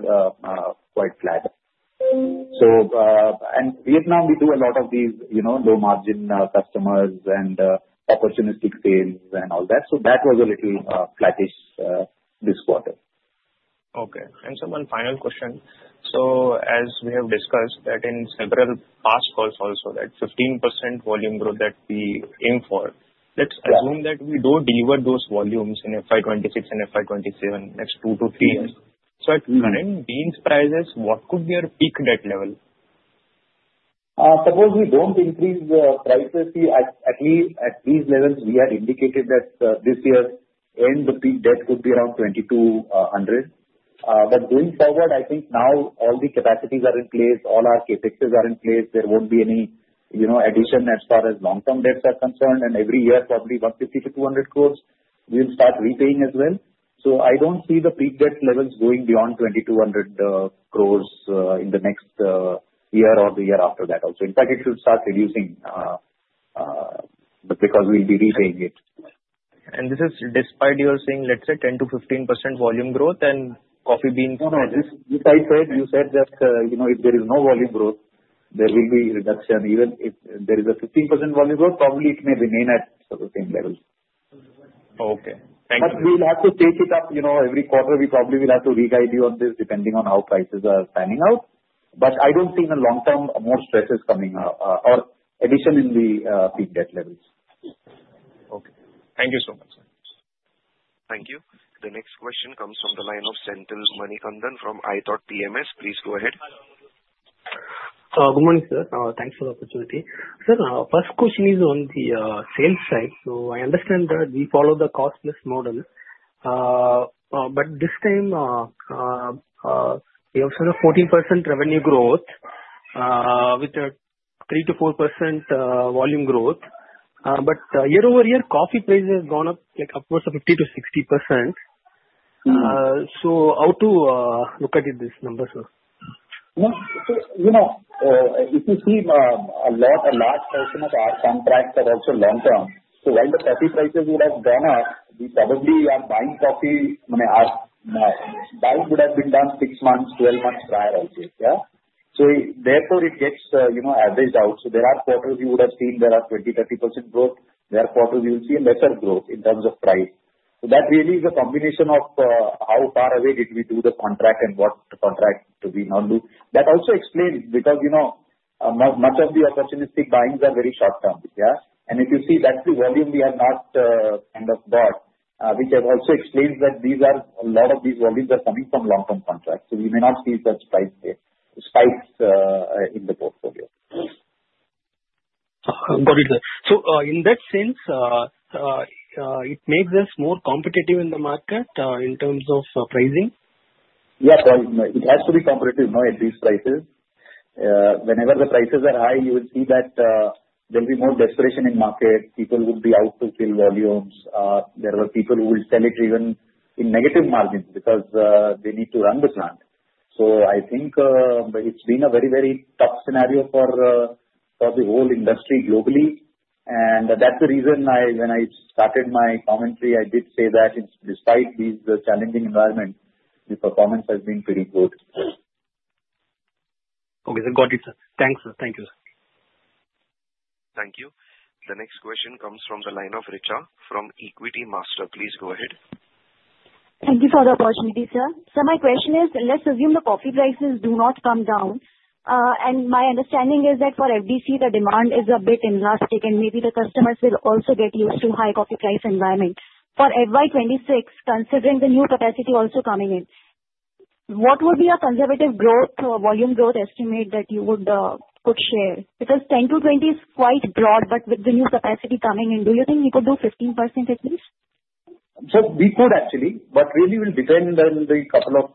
quite flat. And Vietnam, we do a lot of these low-margin customers and opportunistic sales and all that. So that was a little flattish this quarter. Okay. And so one final question. So as we have discussed that in several past calls also, that 15% volume growth that we aim for, let's assume that we don't deliver those volumes in FY 26 and FY 27, next two to three years. So at current beans prices, what could be our peak debt level? Suppose we don't increase the prices, see, at least at these levels, we had indicated that this year-end, the peak debt could be around 2,200, but going forward, I think now all the capacities are in place. All our CapEx are in place. There won't be any addition as far as long-term debts are concerned, and every year, probably 150-200 crores, we'll start repaying as well, so I don't see the peak debt levels going beyond 2,200 crores in the next year or the year after that also. In fact, it should start reducing because we'll be repaying it. This is despite you are saying, let's say, 10%-15% volume growth and coffee beans. No, no. This I said. You said that if there is no volume growth, there will be reduction. Even if there is a 15% volume growth, probably it may remain at the same level. Okay. Thank you. But we will have to take it up every quarter. We probably will have to re-guide you on this depending on how prices are panning out. But I don't see in the long term more stresses coming or addition in the peak debt levels. Okay. Thank you so much. Thank you. The next question comes from the line of Senthil Manikandan from iThought PMS. Please go ahead. Good morning, sir. Thanks for the opportunity. Sir, first question is on the sales side. So I understand that we follow the costless model. But this time, we have sort of 14% revenue growth with a 3%-4% volume growth. But year over year, coffee prices have gone up upwards of 50%-60%. So how to look at this number, sir? If you see a large portion of our contracts are also long-term. While the coffee prices would have gone up, we probably are buying coffee buying would have been done six months, 12 months prior already. Yeah. Therefore, it gets averaged out. There are quarters you would have seen there are 20%, 30% growth. There are quarters you will see a lesser growth in terms of price. That really is a combination of how far away did we do the contract and what contract do we not do. That also explains because much of the opportunistic buyings are very short-term. Yeah. If you see, that's the volume we have not kind of bought, which also explains that a lot of these volumes are coming from long-term contracts. We may not see such spikes in the portfolio. Got it. So in that sense, it makes us more competitive in the market in terms of pricing? Yeah. It has to be competitive at these prices. Whenever the prices are high, you will see that there will be more desperation in market. People would be out to fill volumes. There were people who will sell it even in negative margins because they need to run the plant. So I think it's been a very, very tough scenario for the whole industry globally. And that's the reason when I started my commentary, I did say that despite these challenging environments, the performance has been pretty good. Okay. So got it, sir. Thanks, sir. Thank you, sir. Thank you. The next question comes from the line of Richa from Equitymaster. Please go ahead. Thank you for the opportunity, sir, so my question is, let's assume the coffee prices do not come down, and my understanding is that for FDC, the demand is a bit elastic and maybe the customers will also get used to high coffee price environment. For FY 2026, considering the new capacity also coming in, what would be a conservative volume growth estimate that you would share? Because 10%-20% is quite broad, but with the new capacity coming in, do you think we could do 15% at least? We could actually, but really it will depend on the couple of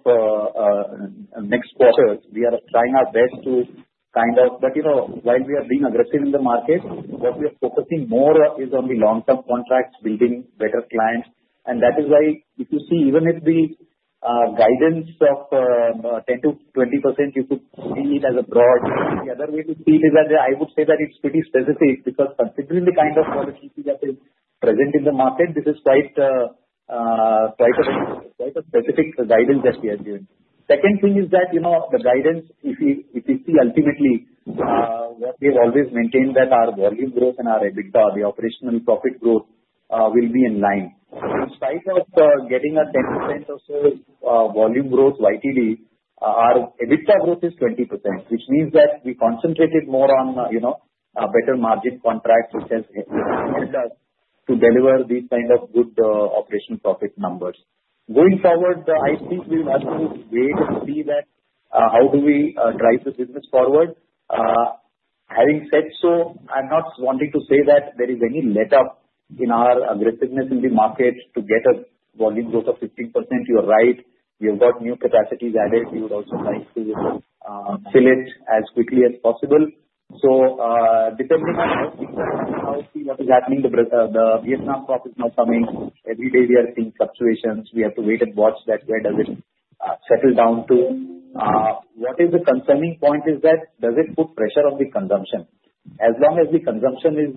next quarters. We are trying our best to kind of, but while we are being aggressive in the market, what we are focusing more is on the long-term contracts, building better clients. That is why if you see, even if the guidance of 10%-20%, you could see it as a broad. The other way to see it is that I would say that it's pretty specific because considering the kind of policies we have been present in the market, this is quite a specific guidance that we are giving. Second thing is that the guidance, if you see ultimately what we have always maintained that our volume growth and our EBITDA, the operational profit growth will be in line. In spite of getting a 10% or so volume growth, YTD, our EBITDA growth is 20%, which means that we concentrated more on better margin contracts which has helped us to deliver these kind of good operational profit numbers. Going forward, I think we'll have to wait and see how we drive the business forward. Having said so, I'm not wanting to say that there is any letup in our aggressiveness in the market to get a volume growth of 15%. You're right. We have got new capacities added. We would also like to fill it as quickly as possible. So depending on how we see what is happening, the Vietnam profit is now coming. Every day we are seeing fluctuations. We have to wait and watch that where does it settle down to. What is the concerning point is that does it put pressure on the consumption? As long as the consumption is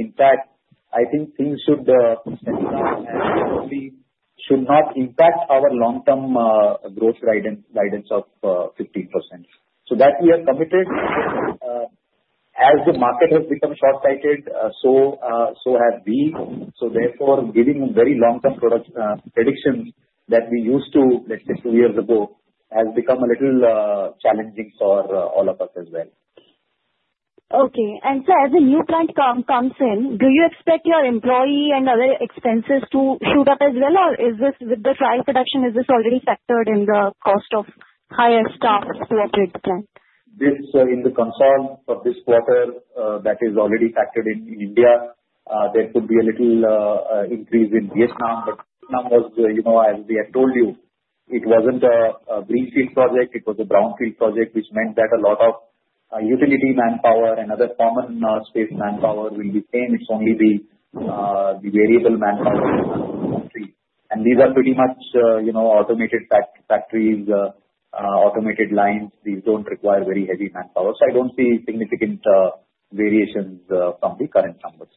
intact, I think things should settle down and probably should not impact our long-term growth guidance of 15%. So that we are committed. As the market has become short-sighted, so have we. So therefore, giving very long-term predictions that we used to, let's say, two years ago, has become a little challenging for all of us as well. Okay. And sir, as the new plant comes in, do you expect your employee and other expenses to shoot up as well, or is this with the trial production, is this already factored in the cost of hiring staff to operate the plant? This capex for this quarter, that is already factored in India. There could be a little increase in Vietnam, but Vietnam was, as we had told you, it wasn't a greenfield project. It was a brownfield project, which meant that a lot of utility manpower and other common space manpower will be the same. It's only the variable manpower in the country, and these are pretty much automated factories, automated lines. These don't require very heavy manpower. So I don't see significant variations from the current numbers.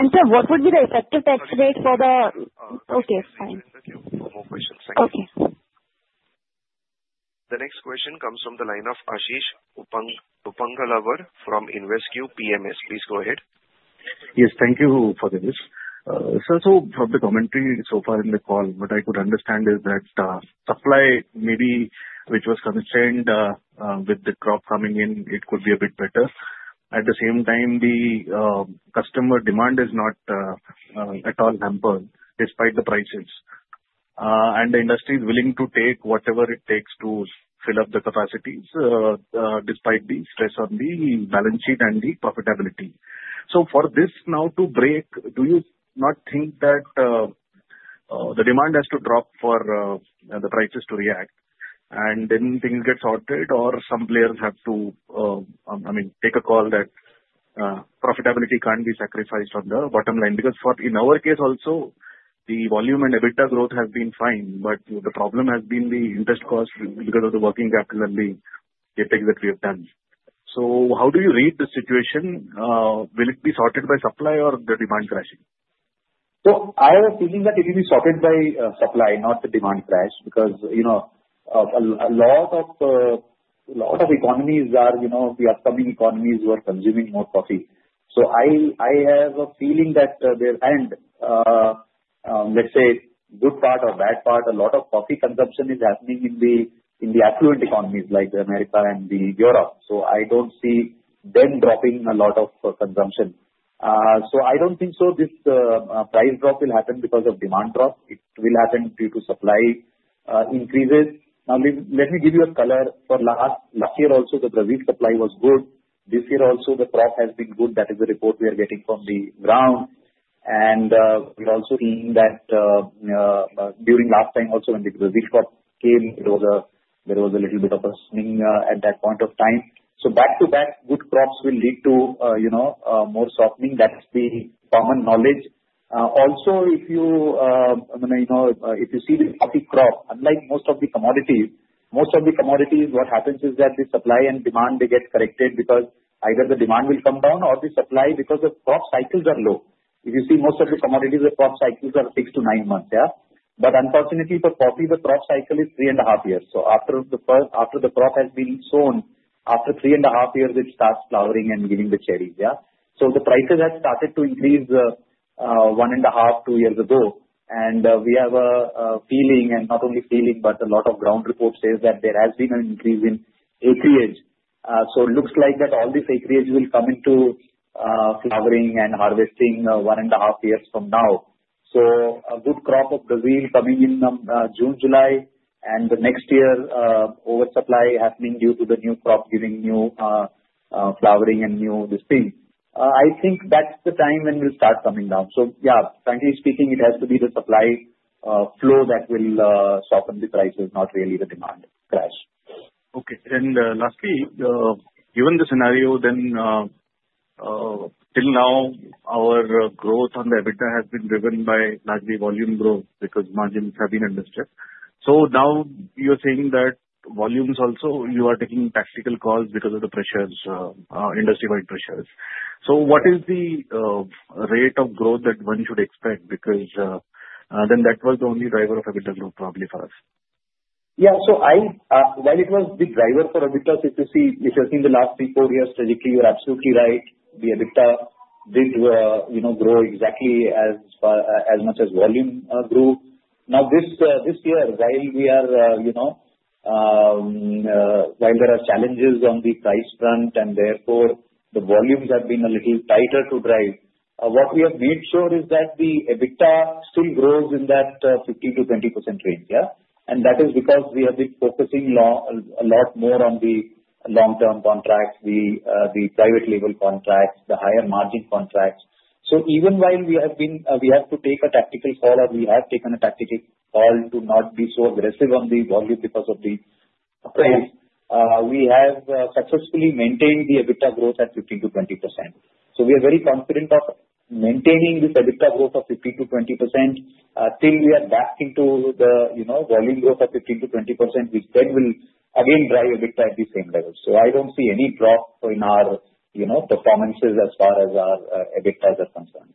Sir, what would be the effective tax rate for the? Okay. Fine. Thank you for the question. Thank you. Okay. The next question comes from the line of Ashish Upganlawar from InvesQ Investment Advisors. Please go ahead. Yes. Thank you for the list. Sir, so from the commentary so far in the call, what I could understand is that supply maybe which was constrained with the crop coming in, it could be a bit better. At the same time, the customer demand is not at all hampered despite the prices. And the industry is willing to take whatever it takes to fill up the capacities despite the stress on the balance sheet and the profitability. So for this now to break, do you not think that the demand has to drop for the prices to react and then things get sorted or some players have to, I mean, take a call that profitability can't be sacrificed on the bottom line? Because in our case also, the volume and EBITDA growth has been fine, but the problem has been the interest cost because of the working capital and the capex that we have done. So how do you read the situation? Will it be sorted by supply or the demand crashing? So I have a feeling that it will be sorted by supply, not the demand crash because a lot of economies are the upcoming economies who are consuming more coffee. So I have a feeling that there and let's say good part or bad part, a lot of coffee consumption is happening in the affluent economies like America and Europe. So I don't see them dropping a lot of consumption. So I don't think so this price drop will happen because of demand drop. It will happen due to supply increases. Now, let me give you a color. For last year also, the Brazil supply was good. This year also, the crop has been good. That is the report we are getting from the ground. We are also seeing that during last time also when the Brazil crop came, there was a little bit of a swing at that point of time. Back to back, good crops will lead to more softening. That's the common knowledge. Also, if you see the coffee crop, unlike most of the commodities, most of the commodities, what happens is that the supply and demand, they get corrected because either the demand will come down or the supply because the crop cycles are low. If you see most of the commodities, the crop cycles are 6 to 9 months. Yeah. Unfortunately for coffee, the crop cycle is three and a half years. After the crop has been sown, after three and a half years, it starts flowering and giving the cherries. Yeah. The prices have started to increase one and a half, two years ago. We have a feeling, and not only feeling, but a lot of ground reports say that there has been an increase in acreage. It looks like that all this acreage will come into flowering and harvesting one and a half years from now. A good crop of Brazil coming in June, July, and the next year, oversupply happening due to the new crop giving new flowering and new this thing. I think that's the time when we'll start coming down. Yeah, frankly speaking, it has to be the supply flow that will soften the prices, not really the demand crash. Okay. And lastly, given the scenario, then till now, our growth on the EBITDA has been driven by largely volume growth because margins have been adjusted. So now you're saying that volumes also, you are taking tactical calls because of the pressures, industry-wide pressures. So what is the rate of growth that one should expect? Because then that was the only driver of EBITDA growth probably for us. Yeah. So while it was the driver for EBITDA, if you see, if you've seen the last three, four years, strategically, you're absolutely right. The EBITDA did grow exactly as much as volume grew. Now this year, while there are challenges on the price front and therefore the volumes have been a little tighter to drive, what we have made sure is that the EBITDA still grows in that 15%-20% range. Yeah, and that is because we have been focusing a lot more on the long-term contracts, the private label contracts, the higher margin contracts. So even while we have to take a tactical call or we have taken a tactical call to not be so aggressive on the volume because of the price, we have successfully maintained the EBITDA growth at 15%-20%. So we are very confident of maintaining this EBITDA growth of 15%-20% until we are back into the volume growth of 15%-20%, which then will again drive EBITDA at the same level. So I don't see any drop in our performances as far as our EBITDAs are concerned.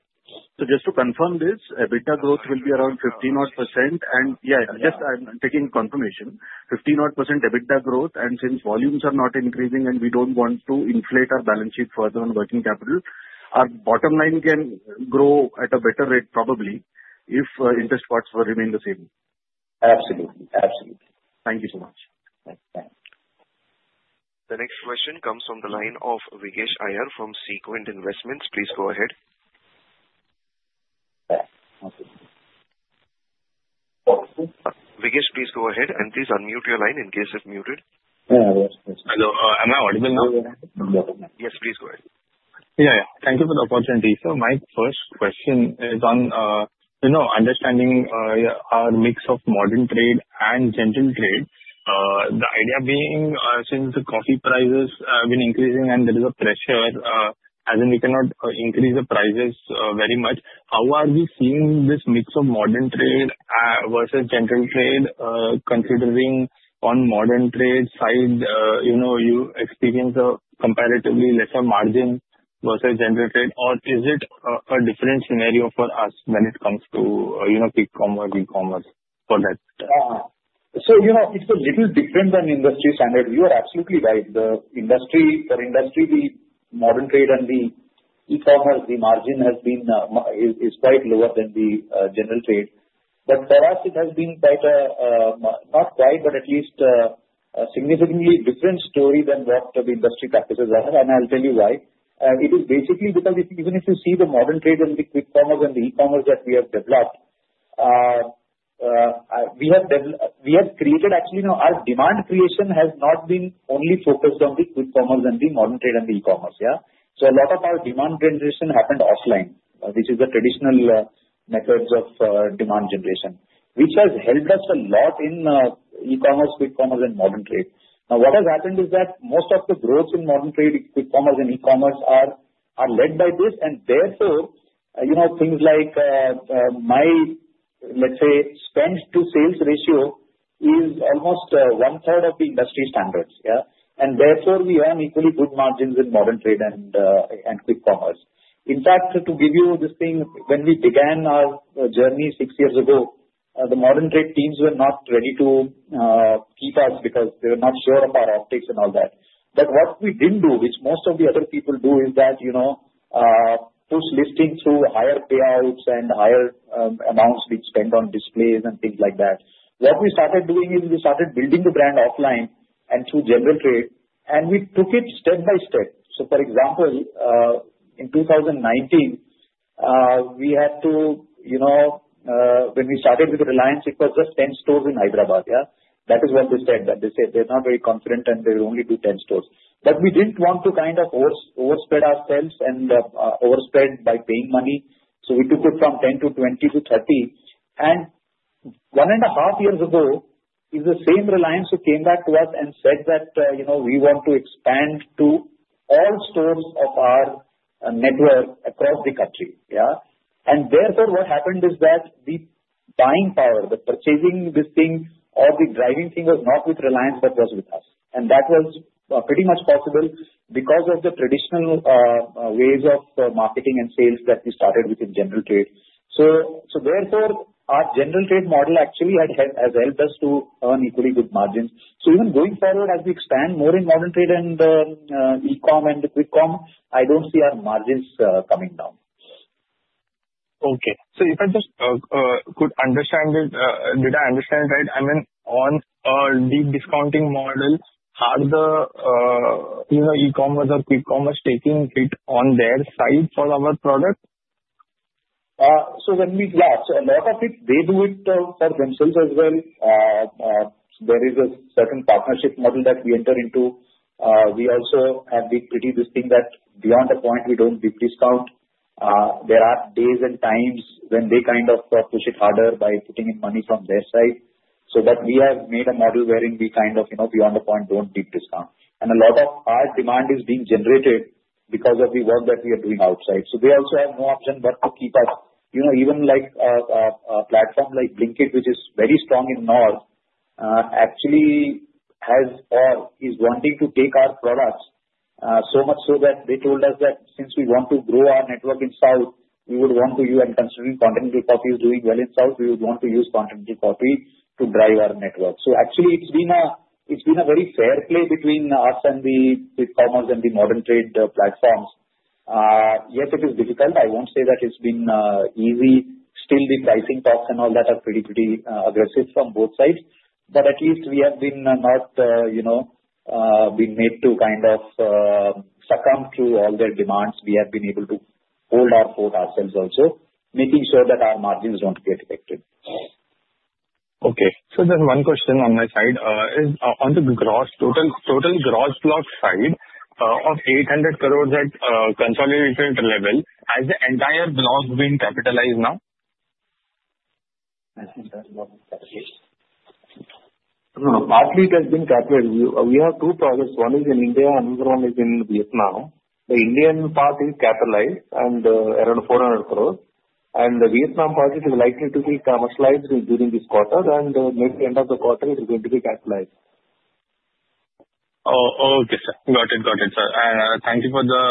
So just to confirm this, EBITDA growth will be around 15-odd%. And yeah, just I'm taking confirmation, 15-odd% EBITDA growth. And since volumes are not increasing and we don't want to inflate our balance sheet further on working capital, our bottom line can grow at a better rate probably if interest rates remain the same. Absolutely. Absolutely. Thank you so much. Thanks. Thanks. The next question comes from the line of Vignesh Iyer from Sequent Investments. Please go ahead. Thanks. Vignesh, please go ahead and please unmute your line in case it's muted. Hello. Am I audible now? Yes, please go ahead. Yeah. Yeah. Thank you for the opportunity. So my first question is on understanding our mix of modern trade and general trade. The idea being since the coffee prices have been increasing and there is a pressure, as in we cannot increase the prices very much, how are we seeing this mix of modern trade versus general trade considering on modern trade side, you experience a comparatively lesser margin versus general trade? Or is it a different scenario for us when it comes to e-commerce for that? It's a little different than industry standard. You are absolutely right. For industry, the modern trade and the e-commerce, the margin has been quite lower than the general trade. But for us, it has been quite, not quite, but at least a significantly different story than what the industry practices are. I'll tell you why. It is basically because even if you see the modern trade and the quick commerce and the e-commerce that we have developed, we have created actually our demand creation has not been only focused on the quick commerce and the modern trade and the e-commerce. Yeah. A lot of our demand generation happened offline, which is the traditional methods of demand generation, which has helped us a lot in e-commerce, quick commerce, and modern trade. Now, what has happened is that most of the growth in modern trade, quick commerce, and e-commerce are led by this, and therefore, things like my, let's say, spend-to-sales ratio is almost one-third of the industry standards. Yeah, and therefore, we earn equally good margins in modern trade and quick commerce. In fact, to give you this thing, when we began our journey six years ago, the modern trade teams were not ready to keep us because they were not sure of our optics and all that, but what we didn't do, which most of the other people do, is that push listing through higher payouts and higher amounts being spent on displays and things like that. What we started doing is we started building the brand offline and through general trade, and we took it step by step. So, for example, in 2019, we had to. When we started with Reliance, it was just 10 stores in Hyderabad. Yeah. That is what they said. They said they're not very confident and they will only do 10 stores. But we didn't want to kind of overspread ourselves and overspread by paying money. So we took it from 10 to 20 to 30. And one and a half years ago, it was the same Reliance who came back to us and said that we want to expand to all stores of our network across the country. Yeah. And therefore, what happened is that the buying power, the purchasing this thing, or the driving thing was not with Reliance, but was with us. And that was pretty much possible because of the traditional ways of marketing and sales that we started with in general trade. So therefore, our General Trade model actually has helped us to earn equally good margins. So even going forward, as we expand more in Modern Trade and e-comm and quick commerce, I don't see our margins coming down. Okay, so if I just could understand it, did I understand it right? I mean, on the discounting model, are the e-commerce or quick commerce taking it on their side for our product? So yeah, so a lot of it, they do it for themselves as well. There is a certain partnership model that we enter into. We also have this thing that beyond a point, we don't deep discount. There are days and times when they kind of push it harder by putting in money from their side. So but we have made a model wherein we kind of beyond a point, don't deep discount. And a lot of our demand is being generated because of the work that we are doing outside. So they also have no option but to keep us. Even a platform like Blinkit, which is very strong in north, actually has or is wanting to take our products so much so that they told us that since we want to grow our network in south, we would want to, considering Continental Coffee is doing well in south, we would want to use Continental Coffee to drive our network. So actually, it's been a very fair play between us and the e-commerce and the modern trade platforms. Yes, it is difficult. I won't say that it's been easy. Still, the pricing talks and all that are pretty, pretty aggressive from both sides. But at least we have not been made to kind of succumb to all their demands. We have been able to hold our fort ourselves also, making sure that our margins don't get affected. One question on my side is on the gross total gross block side of 800 crores at consolidated level. Has the entire block been capitalized now? No, partly it has been capitalized. We have two products. One is in India, another one is in Vietnam. The Indian part is capitalized and around 400 crore. And the Vietnam part, it is likely to be commercialized during this quarter. And maybe end of the quarter, it is going to be capitalized. Okay, sir. Got it. Got it, sir. Thank you for the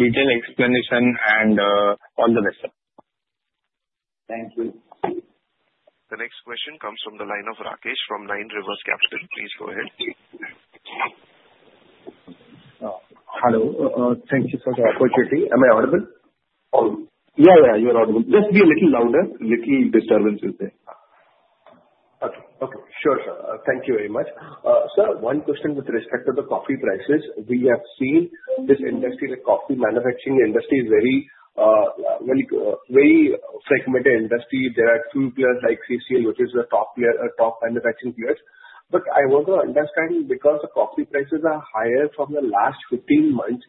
detailed explanation and all the best, sir. Thank you. The next question comes from the line of Rakesh from Nine Rivers Capital. Please go ahead. Hello. Thank you for the opportunity. Am I audible? Yeah. Yeah. You're audible. Just be a little louder. Little disturbances there. Okay. Okay. Sure, sir. Thank you very much. Sir, one question with respect to the coffee prices. We have seen this industry, the coffee manufacturing industry, is very fragmented industry. There are two players like CCL, which is the top manufacturing players. But I want to understand because the coffee prices are higher from the last 15 months,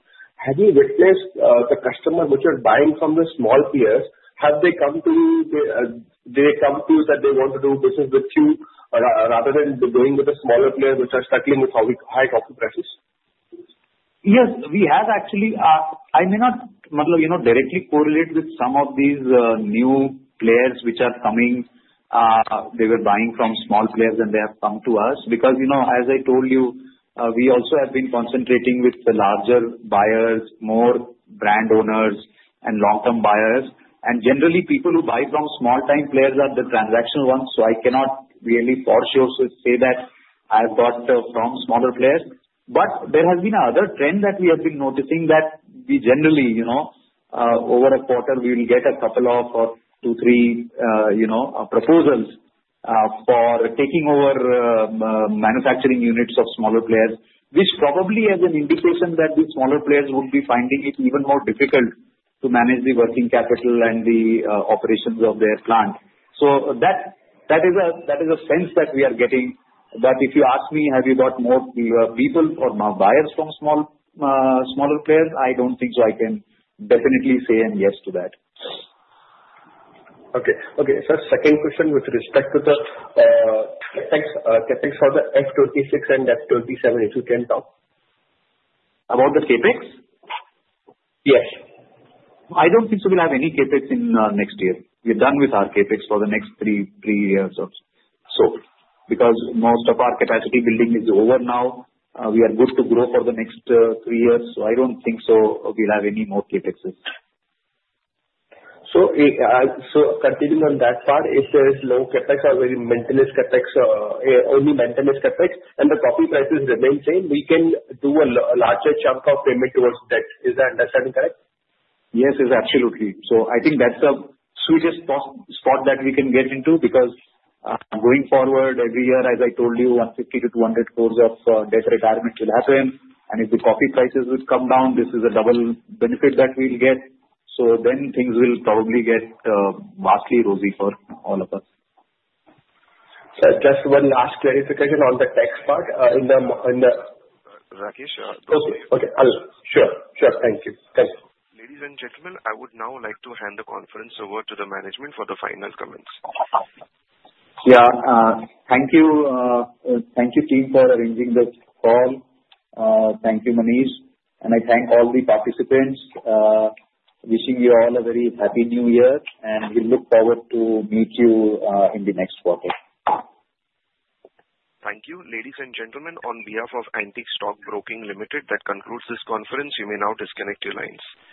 have you witnessed the customers which are buying from the small players, have they come to you? Do they come to you that they want to do business with you rather than going with the smaller players which are struggling with high coffee prices? Yes. We have actually, I may not directly correlate with some of these new players which are coming. They were buying from small players and they have come to us. Because as I told you, we also have been concentrating with the larger buyers, more brand owners, and long-term buyers, and generally, people who buy from small-time players are the transactional ones. So I cannot really for sure say that I've got from smaller players, but there has been another trend that we have been noticing that we generally, over a quarter, we will get a couple of two, three proposals for taking over manufacturing units of smaller players, which probably has an indication that the smaller players would be finding it even more difficult to manage the working capital and the operations of their plant, so that is a sense that we are getting. But if you ask me, have you got more people or buyers from smaller players, I don't think so. I can definitely say and yes to that. Okay. So second question with respect to the Capex for the FY26 and FY27, if you can talk? About the Capex? Yes. I don't think so we'll have any CapEx in next year. We're done with our CapEx for the next three years or so. Because most of our capacity building is over now. We are good to grow for the next three years. So I don't think so we'll have any more CapExes. So continuing on that part, if there is low CapEx or only maintenance CapEx and the coffee prices remain same, we can do a larger chunk of payment towards debt. Is that understanding correct? Yes. It's absolutely. So I think that's the sweet spot that we can get into because going forward, every year, as I told you, 150-200 crores of debt retirement will happen. And if the coffee prices would come down, this is a double benefit that we'll get. So then things will probably get vastly rosy for all of us. Just one last clarification, all the tax part in the. Rakesh. Okay. Okay. Sure. Sure. Thank you. Thanks. Ladies and gentlemen, I would now like to hand the conference over to the management for the final comments. Yeah. Thank you. Thank you, team, for arranging this call. Thank you, Manish. And I thank all the participants. Wishing you all a very happy New Year, and we look forward to meet you in the next quarter. Thank you. Ladies and gentlemen, on behalf of Antique Stock Broking Limited, that concludes this conference. You may now disconnect your lines.